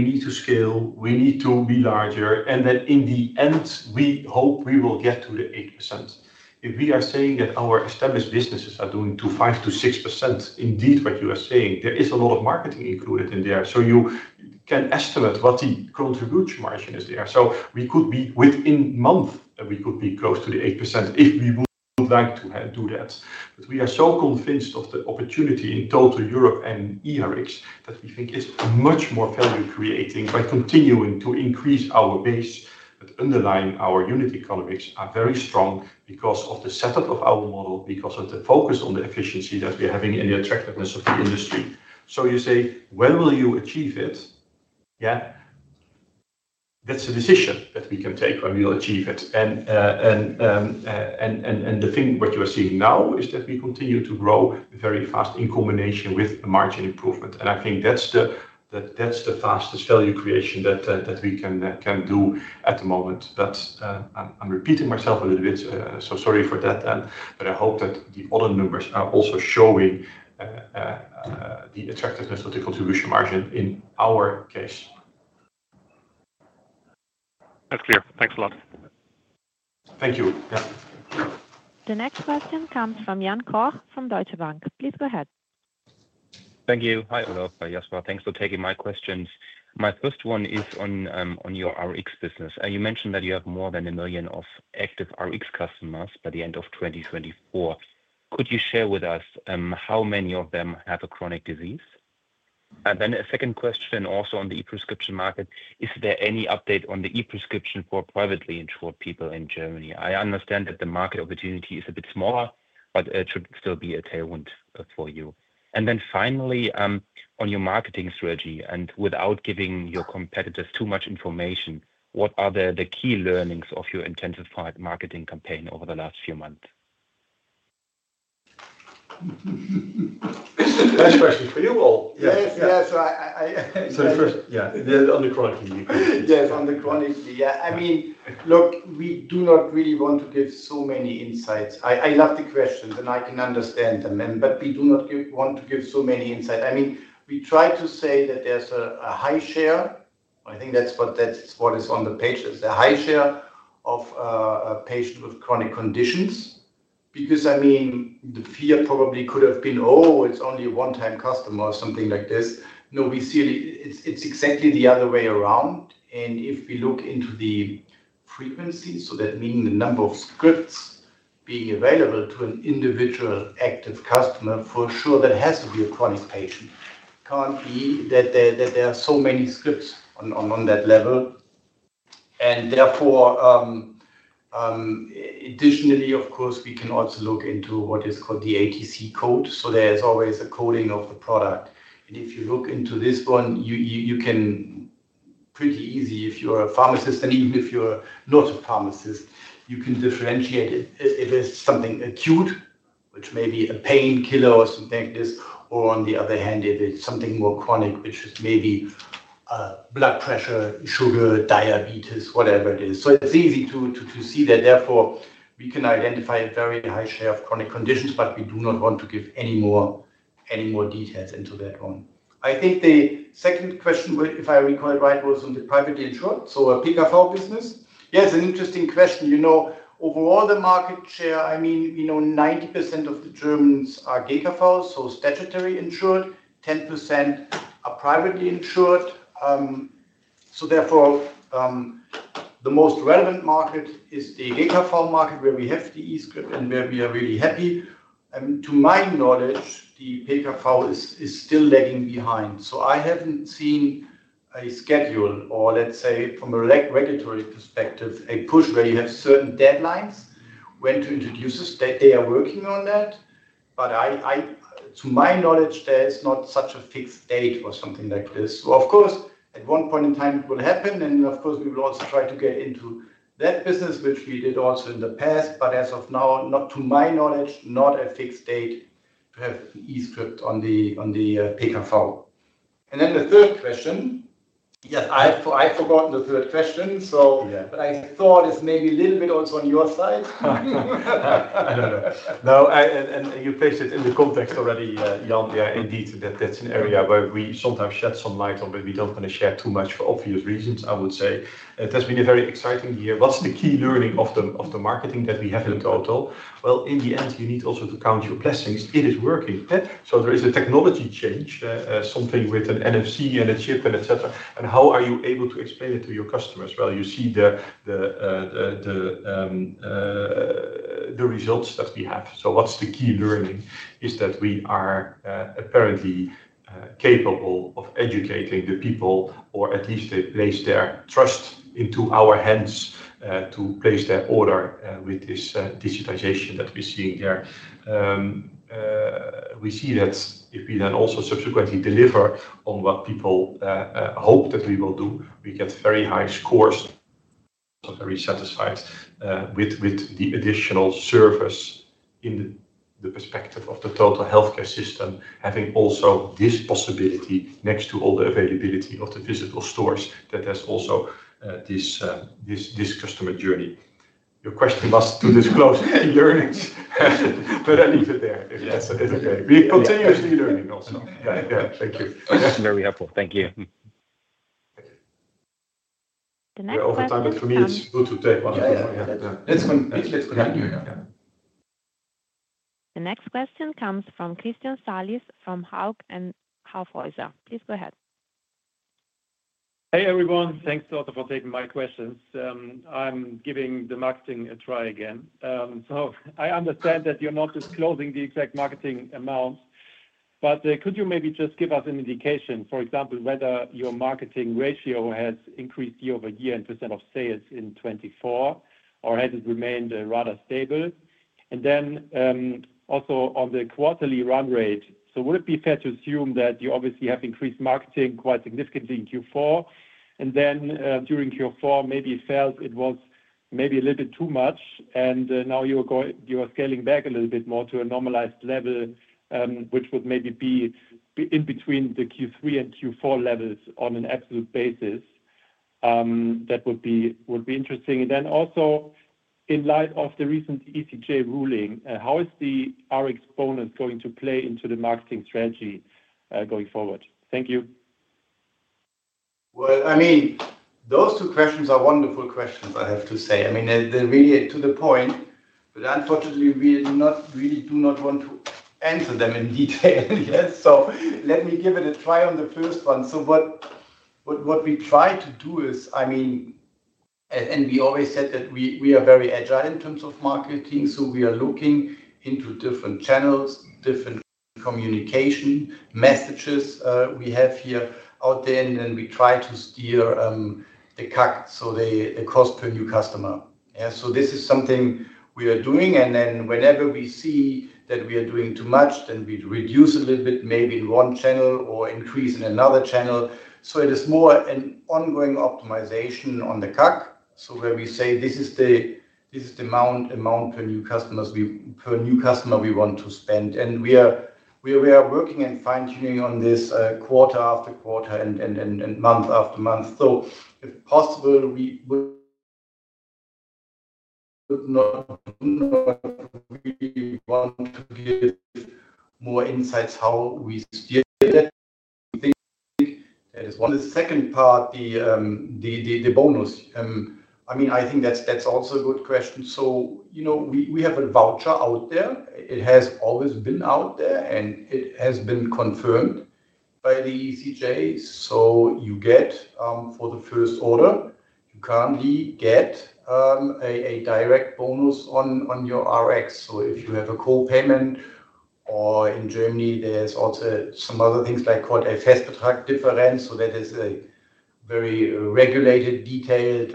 need to scale. We need to be larger, and then in the end, we hope we will get to the 8%. If we are saying that our established businesses are doing 5%-6%, indeed, what you are saying, there is a lot of marketing included in there. You can estimate what the contribution margin is there. We could be within a month, we could be close to the 8% if we would like to do that. We are so convinced of the opportunity in total Europe and e-Rx that we think it is much more value-creating by continuing to increase our base. That underlines our unit economics are very strong because of the setup of our model, because of the focus on the efficiency that we are having in the attractiveness of the industry. You say, when will you achieve it? Yeah. That is a decision that we can take when we will achieve it. What you are seeing now is that we continue to grow very fast in combination with margin improvement. I think that is the fastest value creation that we can do at the moment. I am repeating myself a little bit, so sorry for that. I hope that the other numbers are also showing the attractiveness of the contribution margin in our case. That's clear. Thanks a lot. Thank you. Yeah. The next question comes from Jan Koch from Deutsche Bank. Please go ahead. Thank you. Hi, Olaf, Jasper. Thanks for taking my questions. My first one is on your Rx business. You mentioned that you have more than 1 million of active Rx customers by the end of 2024. Could you share with us how many of them have a chronic disease? And then a second question also on the e-prescription market, is there any update on the e-prescription for privately insured people in Germany? I understand that the market opportunity is a bit smaller, but it should still be a tailwind for you. Finally, on your marketing strategy, and without giving your competitors too much information, what are the key learnings of your intensified marketing campaign over the last few months? Nice question for you all. Yeah. First, yeah, on the chronically. Yes, on the chronically. Yeah. I mean, look, we do not really want to give so many insights. I love the questions, and I can understand them, but we do not want to give so many insights. I mean, we try to say that there is a high share. I think that is what is on the page, is a high share of patients with chronic conditions. Because, I mean, the fear probably could have been, "Oh, it is only a one-time customer or something like this." No, we see it is exactly the other way around. If we look into the frequency, so that means the number of scripts being available to an individual active customer, for sure, that has to be a chronic patient. It cannot be that there are so many scripts on that level. Therefore, additionally, of course, we can also look into what is called the ATC code. There is always a coding of the product. If you look into this one, you can pretty easily, if you are a pharmacist, and even if you are not a pharmacist, you can differentiate if it is something acute, which may be a painkiller or something like this, or on the other hand, if it is something more chronic, which is maybe blood pressure, sugar, diabetes, whatever it is. It is easy to see that. Therefore, we can identify a very high share of chronic conditions, but we do not want to give any more details into that one. I think the second question, if I recall it right, was on the privately insured, so a PKV business. Yeah, it's an interesting question. Overall, the market share, I mean, 90% of the Germans are GKV, so statutory insured, 10% are privately insured. Therefore, the most relevant market is the GKV market where we have the e-script and where we are really happy. To my knowledge, the PKV is still lagging behind. I have not seen a schedule or, let's say, from a regulatory perspective, a push where you have certain deadlines when to introduce this. They are working on that. To my knowledge, there is not such a fixed date or something like this. Of course, at one point in time, it will happen. Of course, we will also try to get into that business, which we did also in the past. As of now, not to my knowledge, not a fixed date to have e-script on the PKV. The third question. Yes, I forgot the third question. I thought it's maybe a little bit also on your side. I don't know. No, and you placed it in the context already, Jan. Yeah, indeed, that's an area where we sometimes shed some light on, but we don't want to share too much for obvious reasons, I would say. It has been a very exciting year. What's the key learning of the marketing that we have in total? In the end, you need also to count your blessings. It is working. There is a technology change, something with an NFC and a chip and etc. How are you able to explain it to your customers? You see the results that we have. The key learning is that we are apparently capable of educating the people, or at least they place their trust into our hands to place their order with this digitization that we're seeing here. We see that if we then also subsequently deliver on what people hope that we will do, we get very high scores. Very satisfied with the additional service in the perspective of the total healthcare system, having also this possibility next to all the availability of the physical stores that has also this customer journey. Your question was to disclose learnings, but I leave it there. It's okay. We are continuously learning also. Yeah, yeah. Thank you. That's very helpful. Thank you. The next question. We're over time, but for me, it's good to take one or two. Yeah. Let's continue. The next question comes from Christian Salice from Hauck and Aufhäuser. Please go ahead. Hey, everyone. Thanks a lot for taking my questions. I'm giving the marketing a try again. I understand that you're not disclosing the exact marketing amounts, but could you maybe just give us an indication, for example, whether your marketing ratio has increased year-over-year in % of sales in 2024, or has it remained rather stable? Also on the quarterly run rate, would it be fair to assume that you obviously have increased marketing quite significantly in Q4? During Q4, maybe it felt it was maybe a little bit too much, and now you're scaling back a little bit more to a normalized level, which would maybe be in between the Q3 and Q4 levels on an absolute basis. That would be interesting. Also, in light of the recent ECJ ruling, how is the Rx bonus going to play into the marketing strategy going forward? Thank you. I mean, those two questions are wonderful questions, I have to say. I mean, they're really to the point, but unfortunately, we really do not want to answer them in detail. Let me give it a try on the first one. What we try to do is, I mean, and we always said that we are very agile in terms of marketing. We are looking into different channels, different communication messages we have out there, and then we try to steer the CAC, so the cost per new customer. This is something we are doing. Whenever we see that we are doing too much, we reduce a little bit, maybe in one channel or increase in another channel. It is more an ongoing optimization on the CAC. We say, "This is the amount per new customer we want to spend." We are working and fine-tuning on this quarter after quarter and month after month. If possible, we would not want to give more insights on how we steer that. That is one of the second part, the bonus. I mean, I think that's also a good question. We have a voucher out there. It has always been out there, and it has been confirmed by the ECJ. You get, for the first order, you currently get a direct bonus on your Rx. If you have a co-payment, or in Germany, there are also some other things like called a Festbetrag difference. That is a very regulated, detailed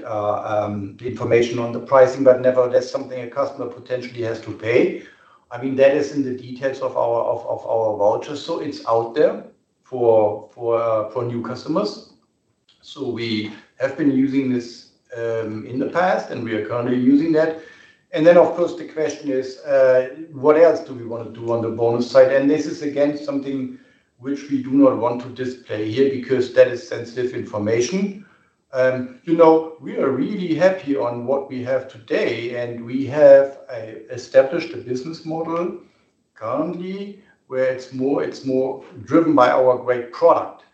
information on the pricing, but nevertheless, something a customer potentially has to pay. I mean, that is in the details of our vouchers. It is out there for new customers. We have been using this in the past, and we are currently using that. Of course, the question is, what else do we want to do on the bonus side? This is, again, something which we do not want to display here because that is sensitive information. We are really happy on what we have today, and we have established a business model currently where it's more driven by our great product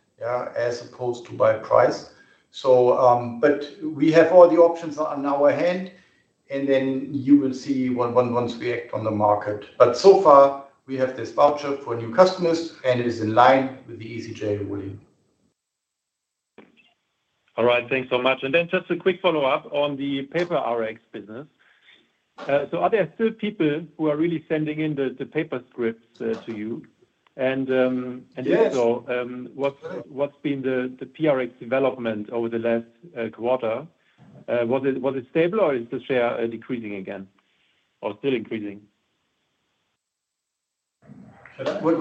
as opposed to by price. We have all the options on our hand, and you will see once we act on the market. So far, we have this voucher for new customers, and it is in line with the ECJ ruling. All right. Thanks so much. Just a quick follow-up on the paper Rx business. Are there still people who are really sending in the paper scripts to you? Also, what's been the paper Rx development over the last quarter? Was it stable, or is the share decreasing again, or still increasing? What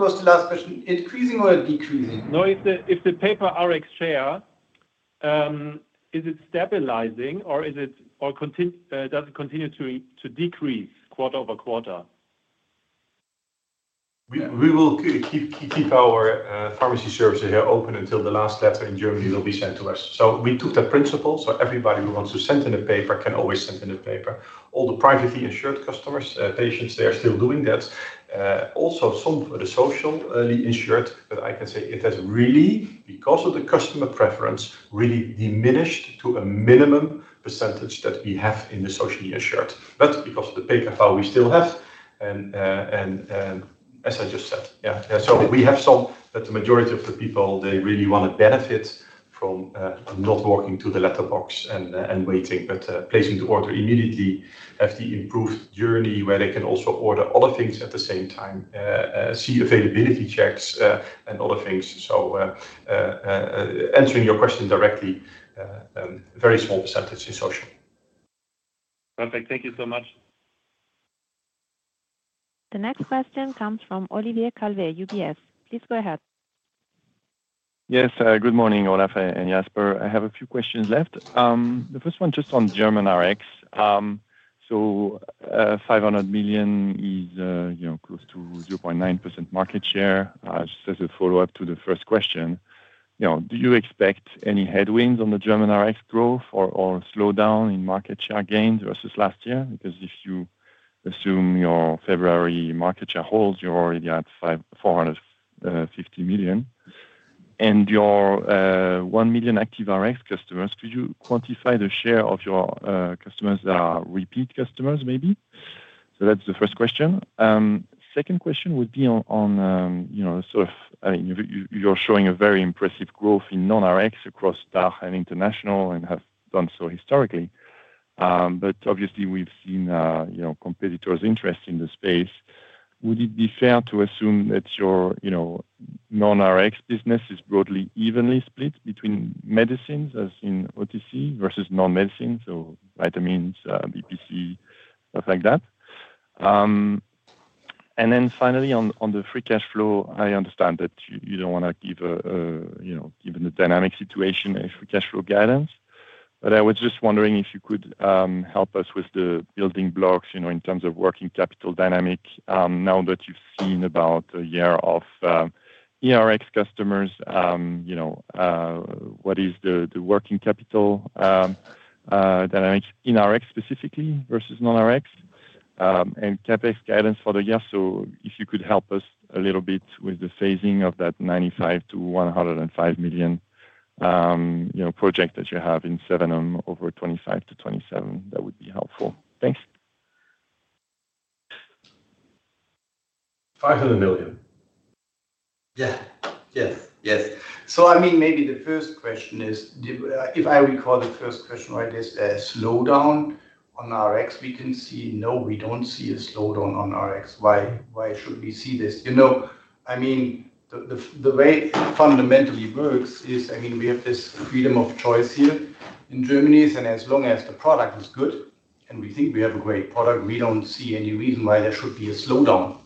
was the last question? Increasing or decreasing? No, if the paper Rx share, is it stabilizing, or does it continue to decrease quarter over quarter? We will keep our pharmacy services here open until the last letter in Germany will be sent to us. We took that principle. Everybody who wants to send in a paper can always send in a paper. All the privately insured customers, patients, they are still doing that. Also, some for the socially insured, but I can say it has really, because of the customer preference, really diminished to a minimum percentage that we have in the socially insured. Because of the PKV, we still have. As I just said, yeah. We have some that the majority of the people, they really want to benefit from not walking to the letterbox and waiting, but placing the order immediately, have the improved journey where they can also order other things at the same time, see availability checks, and other things. Answering your question directly, very small percentage in social. Perfect. Thank you so much. The next question comes from Olivier Calvet, UBS. Please go ahead. Yes. Good morning, Olaf and Jasper. I have a few questions left. The first one just on German Rx. 500 million is close to 0.9% market share. Just as a follow-up to the first question, do you expect any headwinds on the German Rx growth or slowdown in market share gains versus last year? Because if you assume your February market share holds, you're already at 450 million. And your 1 million active Rx customers, could you quantify the share of your customers that are repeat customers, maybe? That's the first question. Second question would be on sort of, I mean, you're showing a very impressive growth in non-Rx across DACH and international and have done so historically. Obviously, we've seen competitors' interest in the space. Would it be fair to assume that your non-Rx business is broadly evenly split between medicines, as in OTC, versus non-medicines, so vitamins, BPC, stuff like that? Finally, on the free cash flow, I understand that you don't want to give a, given the dynamic situation, a free cash flow guidance. I was just wondering if you could help us with the building blocks in terms of working capital dynamic. Now that you've seen about a year of e-Rx customers, what is the working capital dynamics in Rx specifically versus non-Rx? CapEx guidance for the year. If you could help us a little bit with the phasing of that 95 million-105 million project that you have in Sevenum over 2025-2027, that would be helpful. Thanks. EUR 500 million. Yes. Yes. I mean, maybe the first question is, if I recall the first question right, there's a slowdown on Rx. We can see, no, we don't see a slowdown on Rx. Why should we see this? I mean, the way it fundamentally works is, I mean, we have this freedom of choice here in Germany. And as long as the product is good and we think we have a great product, we don't see any reason why there should be a slowdown.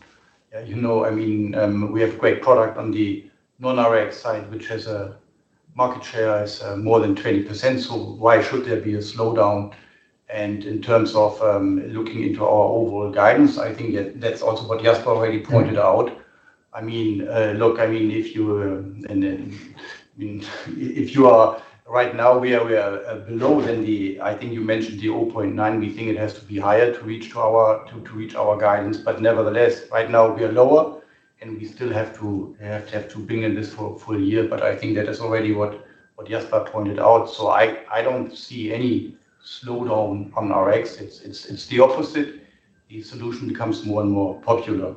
I mean, we have a great product on the non-Rx side, which has a market share that is more than 20%. Why should there be a slowdown? In terms of looking into our overall guidance, I think that's also what Jasper already pointed out. I mean, look, if you are right now, we are below than the, I think you mentioned the 0.9. We think it has to be higher to reach our guidance. Nevertheless, right now, we are lower, and we still have to bring in this for a full year. I think that is already what Jasper pointed out. I do not see any slowdown on Rx. It is the opposite. The solution becomes more and more popular.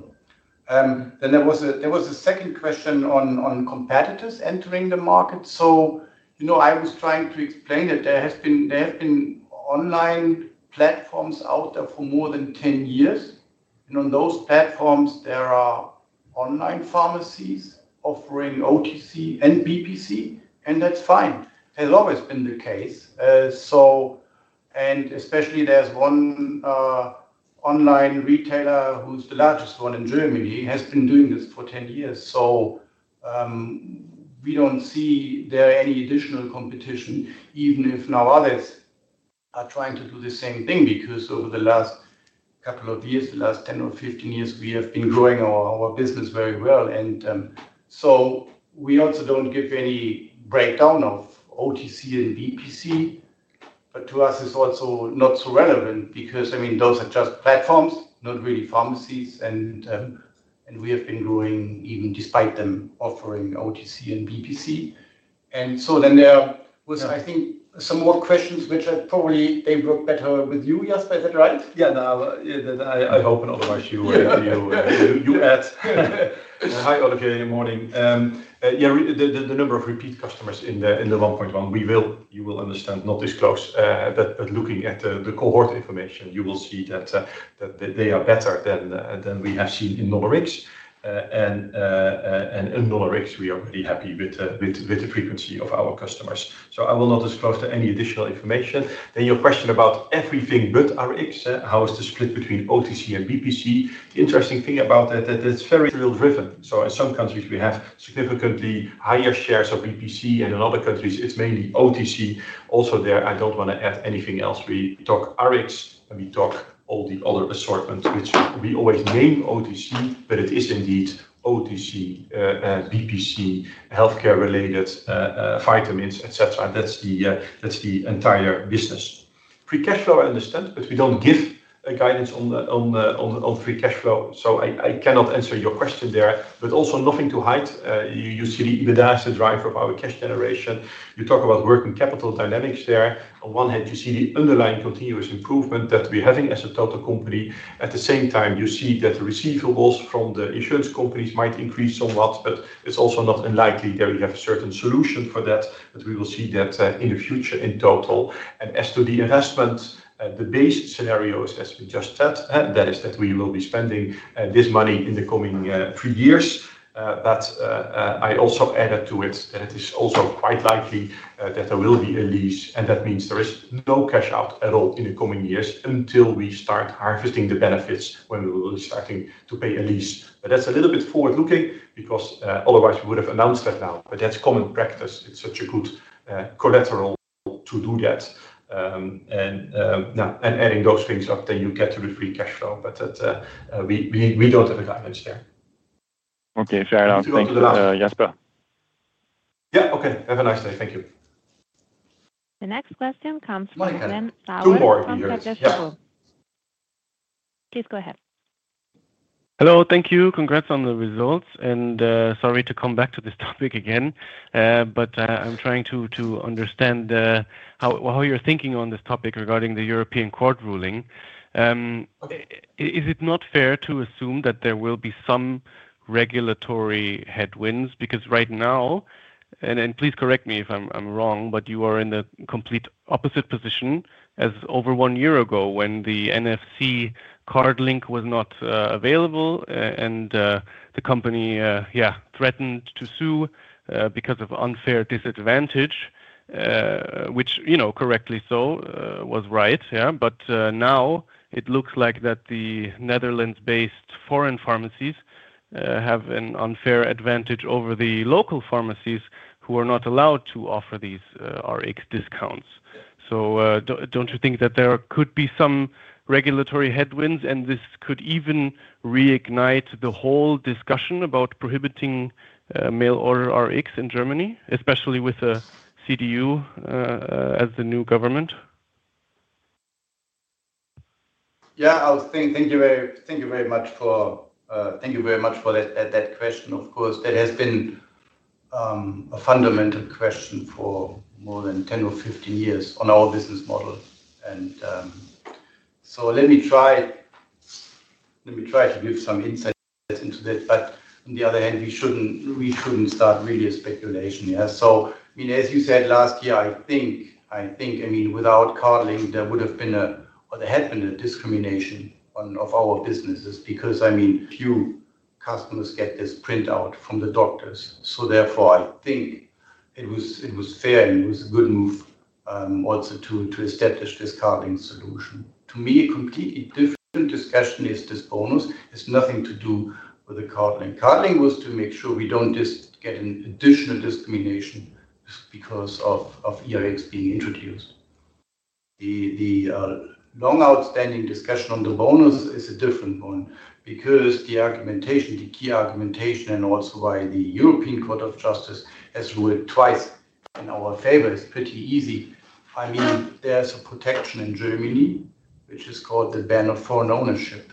There was a second question on competitors entering the market. I was trying to explain that there have been online platforms out there for more than 10 years. On those platforms, there are online pharmacies offering OTC and BPC. That is fine. It has always been the case. Especially, there is one online retailer who is the largest one in Germany and has been doing this for 10 years. We do not see there any additional competition, even if now others are trying to do the same thing because over the last couple of years, the last 10 or 15 years, we have been growing our business very well. We also do not give any breakdown of OTC and BPC. To us, it is also not so relevant because, I mean, those are just platforms, not really pharmacies. We have been growing even despite them offering OTC and BPC. There was, I think, some more questions, which I probably think work better with you, Jasper. Is that right? Yeah. No, I have opened otherwise. You add. Hi, Olivier. Good morning. Yeah, the number of repeat customers in the 1.1, you will understand, not disclose. Looking at the cohort information, you will see that they are better than we have seen in non-Rx. In non-Rx, we are pretty happy with the frequency of our customers. I will not disclose any additional information. Your question about everything but Rx, how is the split between OTC and BPC? The interesting thing about that, that's very material-driven. In some countries, we have significantly higher shares of BPC, and in other countries, it's mainly OTC. Also there, I don't want to add anything else. We talk Rx, and we talk all the other assortments, which we always name OTC, but it is indeed OTC, BPC, healthcare-related vitamins, etc. That's the entire business. Free cash flow, I understand, but we don't give guidance on free cash flow. I cannot answer your question there. Also nothing to hide. You see the EBITDA as the driver of our cash generation. You talk about working capital dynamics there. On one hand, you see the underlying continuous improvement that we're having as a total company. At the same time, you see that the receivables from the insurance companies might increase somewhat, but it's also not unlikely that we have a certain solution for that. We will see that in the future in total. As to the investment, the base scenario, as we just said, is that we will be spending this money in the coming three years. I also added to it that it is also quite likely that there will be a lease, and that means there is no cash out at all in the coming years until we start harvesting the benefits when we will be starting to pay a lease. That is a little bit forward-looking because otherwise, we would have announced that now. That is common practice. It's such a good collateral to do that. Adding those things up, then you get to the free cash flow. We do not have a guidance there. Okay. Fair enough. Thank you. Jasper. Yeah. Okay. Have a nice day. Thank you. The next question comes from. Please go ahead. Hello. Thank you. Congrats on the results. Sorry to come back to this topic again. I am trying to understand how you are thinking on this topic regarding the European Court ruling. Is it not fair to assume that there will be some regulatory headwinds? Right now, and please correct me if I am wrong, you are in the complete opposite position as over one year ago when the NFC CardLink was not available and the company, yeah, threatened to sue because of unfair disadvantage, which correctly so was right. Now it looks like that the Netherlands-based foreign pharmacies have an unfair advantage over the local pharmacies who are not allowed to offer these Rx discounts. Do not you think that there could be some regulatory headwinds? This could even reignite the whole discussion about prohibiting mail-order Rx in Germany, especially with a CDU as the new government? Thank you very much for that question, of course. That has been a fundamental question for more than 10 or 15 years on our business model. Let me try to give some insight into that. On the other hand, we should not start really a speculation. I mean, as you said last year, I think, I mean, without CardLink, there would have been a or there had been a discrimination of our businesses because, I mean, few customers get this printout from the doctors. Therefore, I think it was fair and it was a good move also to establish this CardLink solution. To me, a completely different discussion is this bonus. It has nothing to do with the CardLink. CardLink was to make sure we do not just get an additional discrimination because of e-Rx being introduced. The long-outstanding discussion on the bonus is a different one because the argumentation, the key argumentation, and also why the European Court of Justice has ruled twice in our favor is pretty easy. I mean, there is a protection in Germany, which is called the ban of foreign ownership.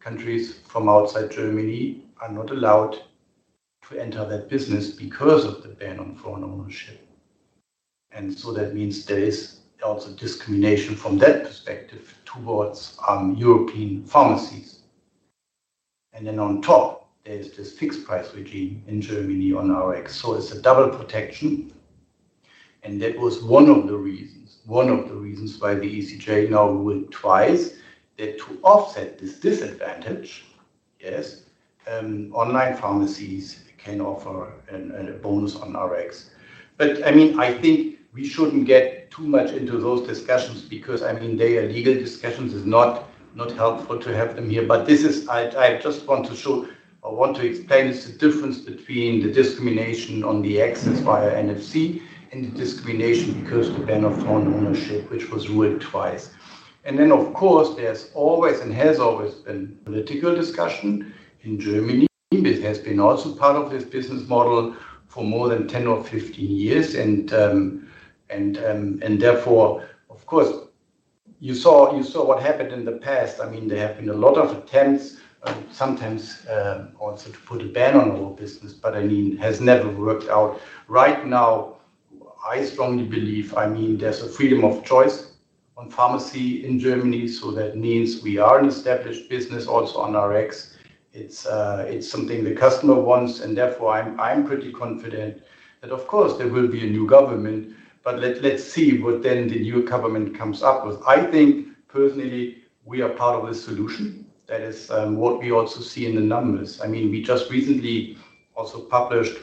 Countries from outside Germany are not allowed to enter that business because of the ban on foreign ownership. That means there is also discrimination from that perspective towards European pharmacies. On top, there is this fixed price regime in Germany on Rx. It is a double protection. That was one of the reasons, one of the reasons why the ECJ now ruled twice, that to offset this disadvantage, yes, online pharmacies can offer a bonus on Rx. I mean, I think we shouldn't get too much into those discussions because, I mean, they are legal discussions. It's not helpful to have them here. This is, I just want to show, I want to explain, it's the difference between the discrimination on the access via NFC and the discrimination because of the ban of foreign ownership, which was ruled twice. Of course, there is always and has always been political discussion in Germany. It has been also part of this business model for more than 10 or 15 years. Therefore, you saw what happened in the past. I mean, there have been a lot of attempts, sometimes also to put a ban on our business, but I mean, it has never worked out. Right now, I strongly believe, I mean, there is a freedom of choice on pharmacy in Germany. That means we are an established business also on Rx. It is something the customer wants. Therefore, I am pretty confident that, of course, there will be a new government. Let us see what the new government comes up with. I think, personally, we are part of the solution. That is what we also see in the numbers. I mean, we just recently also published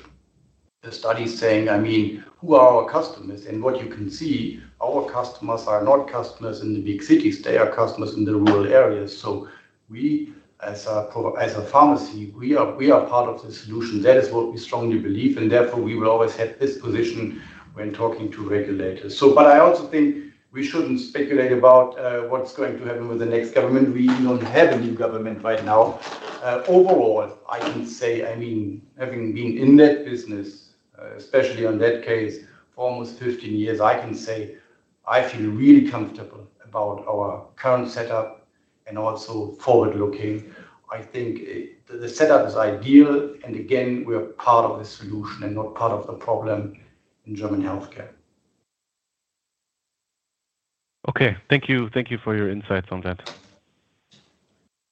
a study saying, I mean, who are our customers? And what you can see, our customers are not customers in the big cities. They are customers in the rural areas. We, as a pharmacy, are part of the solution. That is what we strongly believe. Therefore, we will always have this position when talking to regulators. I also think we shouldn't speculate about what's going to happen with the next government. We don't have a new government right now. Overall, I can say, I mean, having been in that business, especially on that case for almost 15 years, I can say I feel really comfortable about our current setup and also forward-looking. I think the setup is ideal. Again, we are part of the solution and not part of the problem in German healthcare. Okay. Thank you. Thank you for your insights on that.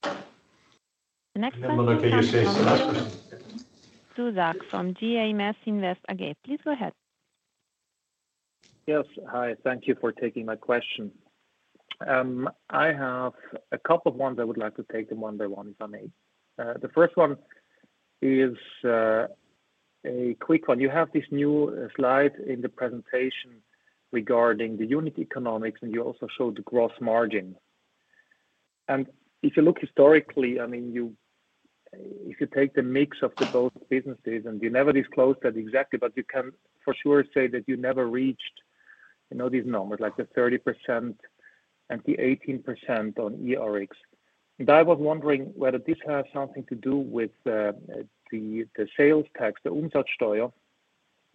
The next question. from JMS Invest AG. Please go ahead. Yes. Hi. Thank you for taking my question. I have a couple of ones I would like to take them one by one, if I may. The first one is a quick one. You have this new slide in the presentation regarding the unit economics, and you also showed the gross margin. If you look historically, I mean, if you take the mix of both businesses, and you never disclosed that exactly, but you can for sure say that you never reached these numbers, like the 30% and the 18% on e-Rx. I was wondering whether this has something to do with the sales tax, the Umsatzsteuer.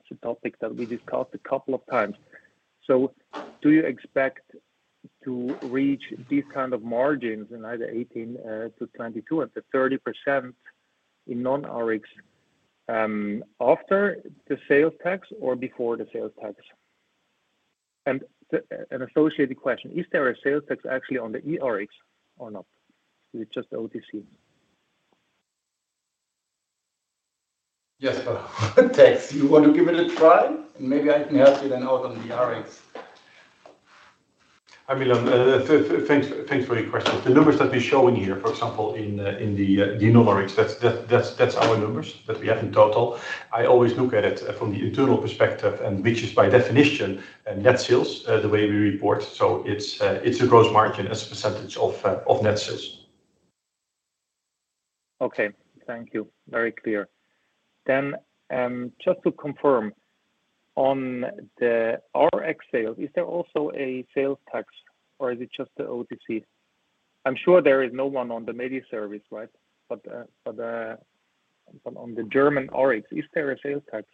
It's a topic that we discussed a couple of times. Do you expect to reach these kinds of margins in either 18-22% and the 30% in non-Rx after the sales tax or before the sales tax? An associated question, is there a sales tax actually on the e-Rx or not? Is it just OTC? Jasper, thanks. You want to give it a try? Maybe I can help you then out on the e-Rx. I mean, thanks for your question. The numbers that we're showing here, for example, in the non-Rx, that's our numbers that we have in total. I always look at it from the internal perspective, which is by definition net sales, the way we report. It's a gross margin as a percentage of net sales. Okay. Thank you. Very clear. Just to confirm, on the Rx sales, is there also a sales tax, or is it just the OTC? I'm sure there is no one on the media service, right? On the German Rx, is there a sales tax?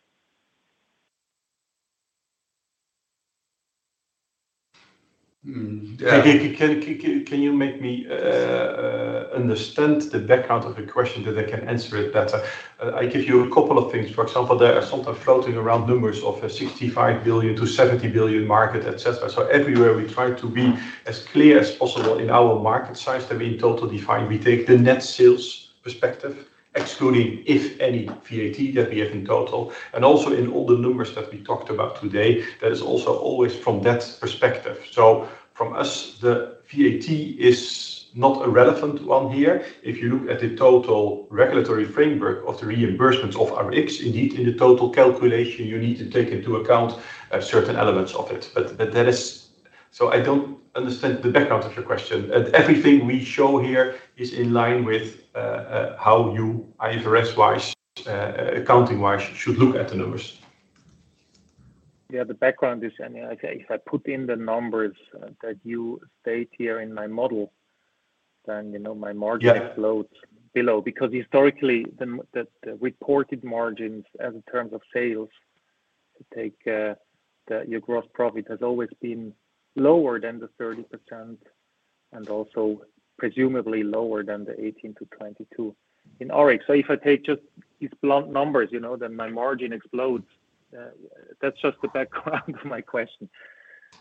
Can you make me understand the background of the question that I can answer it better? I give you a couple of things. For example, there are sometimes floating around numbers of 65 billion-70 billion market, etc. Everywhere we try to be as clear as possible in our market size, then we in total define. We take the net sales perspective, excluding if any VAT that we have in total. In all the numbers that we talked about today, that is also always from that perspective. From us, the VAT is not a relevant one here. If you look at the total regulatory framework of the reimbursements of Rx, indeed, in the total calculation, you need to take into account certain elements of it. That is why I do not understand the background of your question. Everything we show here is in line with how you, IFRS-wise, accounting-wise, should look at the numbers. Yeah, the background is, I mean, if I put in the numbers that you state here in my model, then my margin floats below. Because historically, the reported margins as in terms of sales, take your gross profit, has always been lower than the 30% and also presumably lower than the 18-22% in Rx. If I take just these blunt numbers, then my margin explodes. That is just the background of my question.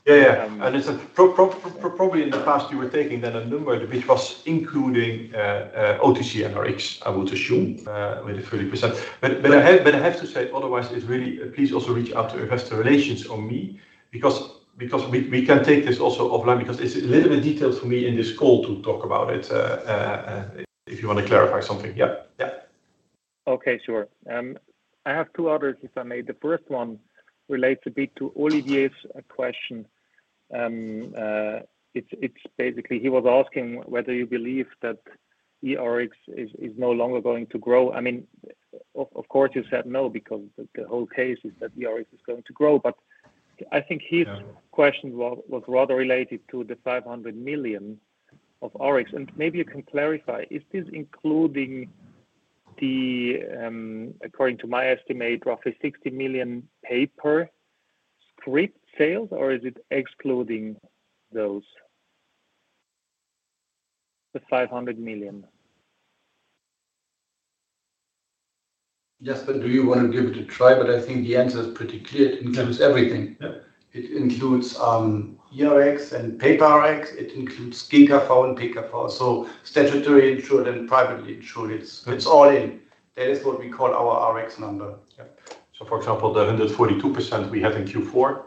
Yeah. Yeah. Probably in the past, you were taking then a number which was including OTC and Rx, I would assume, with the 30%. I have to say, otherwise, please also reach out to investor relations or me because we can take this also offline because it's a little bit detailed for me in this call to talk about it if you want to clarify something. Yeah. Yeah. Okay. Sure. I have two others, if I may. The first one relates a bit to Olivier's question. It's basically he was asking whether you believe that e-Rx is no longer going to grow. I mean, of course, you said no because the whole case is that e-Rx is going to grow. I think his question was rather related to the 500 million of Rx. Maybe you can clarify, is this including the, according to my estimate, roughly 60 million paper script sales, or is it excluding those, the 500 million? Jasper, do you want to give it a try? I think the answer is pretty clear. It includes everything. It includes e-Rx and paper Rx. It includes GKV and PKV. Statutory insured and privately insured, it's all in. That is what we call our Rx number. For example, the 142% we had in Q4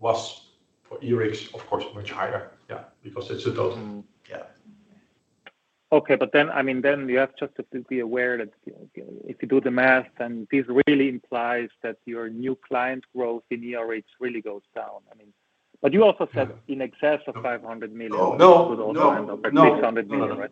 was for e-Rx, of course, much higher. Yeah, because that's the total. Yeah. Okay. I mean, then you have just to be aware that if you do the math, this really implies that your new client growth in e-Rx really goes down. I mean, you also said in excess of 500 million. Oh, no. It would also end up at EUR 600 million, right?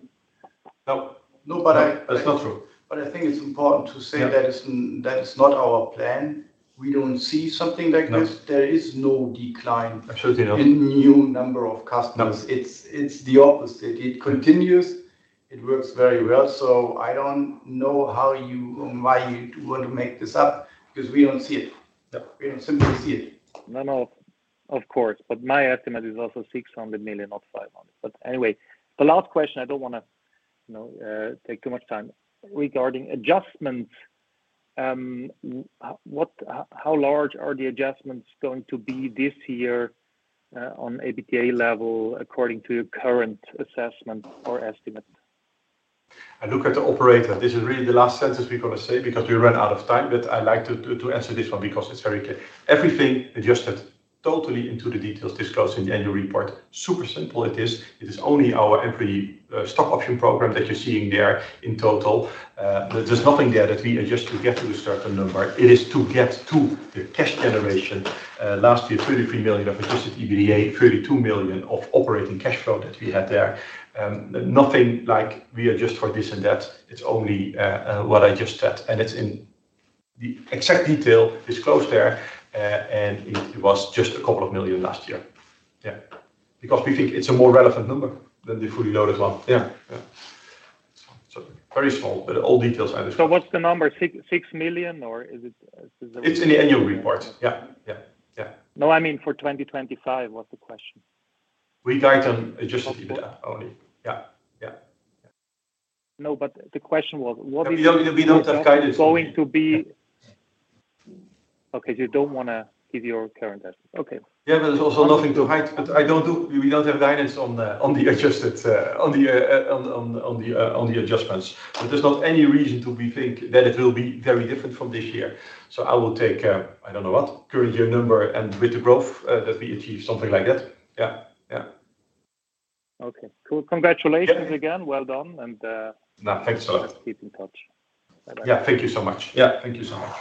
No. No, but that's not true. I think it's important to say that is not our plan. We don't see something like this. There is no decline in new number of customers. It's the opposite. It continues. It works very well. I don't know how you want to make this up because we don't see it. We don't simply see it. No, no. Of course. My estimate is also 600 million, not 500 million. Anyway, the last question, I don't want to take too much time. Regarding adjustments, how large are the adjustments going to be this year on EBITDA level according to your current assessment or estimate? I look at the operator. This is really the last sentence we're going to say because we ran out of time. I like to answer this one because it's very clear. Everything adjusted totally into the details disclosed in the annual report. Super simple it is. It is only our stock option program that you're seeing there in total. There's nothing there that we adjust to get to a certain number. It is to get to the cash generation. Last year, 33 million of adjusted EBITDA, 32 million of operating cash flow that we had there. Nothing like we adjust for this and that. It's only what I just said. And it's in the exact detail disclosed there. It was just a couple of million last year. Yeah. Because we think it's a more relevant number than the fully loaded one. Yeah. Yeah. It's very small, but all details are there. So what's the number? 6 million, or is it? It's in the annual report. Yeah. Yeah. Yeah. No, I mean, for 2025 was the question. We guide them adjusted EBITDA only. Yeah. Yeah. Yeah. No, the question was, what is going to be? Okay. You do not want to give your current estimate. Okay. Yeah, there is also nothing to hide. We do not have guidance on the adjusted on the adjustments. There is not any reason to think that it will be very different from this year. I will take, I do not know what, current year number and with the growth that we achieve, something like that. Yeah. Yeah. Okay. Cool. Congratulations again. Well done. Keep in touch. Yeah. Thank you so much. Yeah. Thank you so much.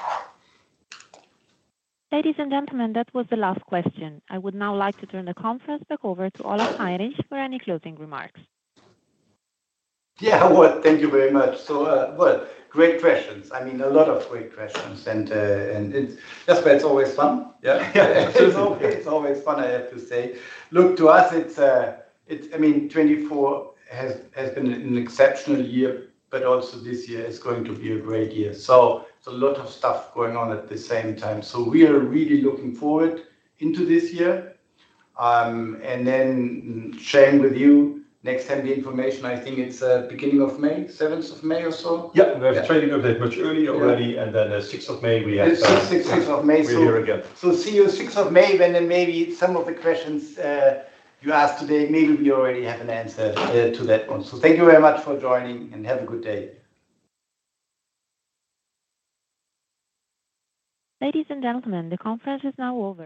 Ladies and gentlemen, that was the last question. I would now like to turn the conference back over to Olaf Heinrich for any closing remarks. Yeah. Thank you very much. Great questions. I mean, a lot of great questions. And Jasper, it's always fun. Yeah. It's always fun, I have to say. Look, to us, I mean, 2024 has been an exceptional year, but also this year is going to be a great year. So it's a lot of stuff going on at the same time. We are really looking forward into this year. And then sharing with you, next time the information, I think it's beginning of May, 7th of May or so. Yeah. We have training of that much earlier already. And then 6th of May, we have 6th of May. See you 6th of May, when then maybe some of the questions you asked today, maybe we already have an answer to that one. Thank you very much for joining and have a good day. Ladies and gentlemen, the conference is now over.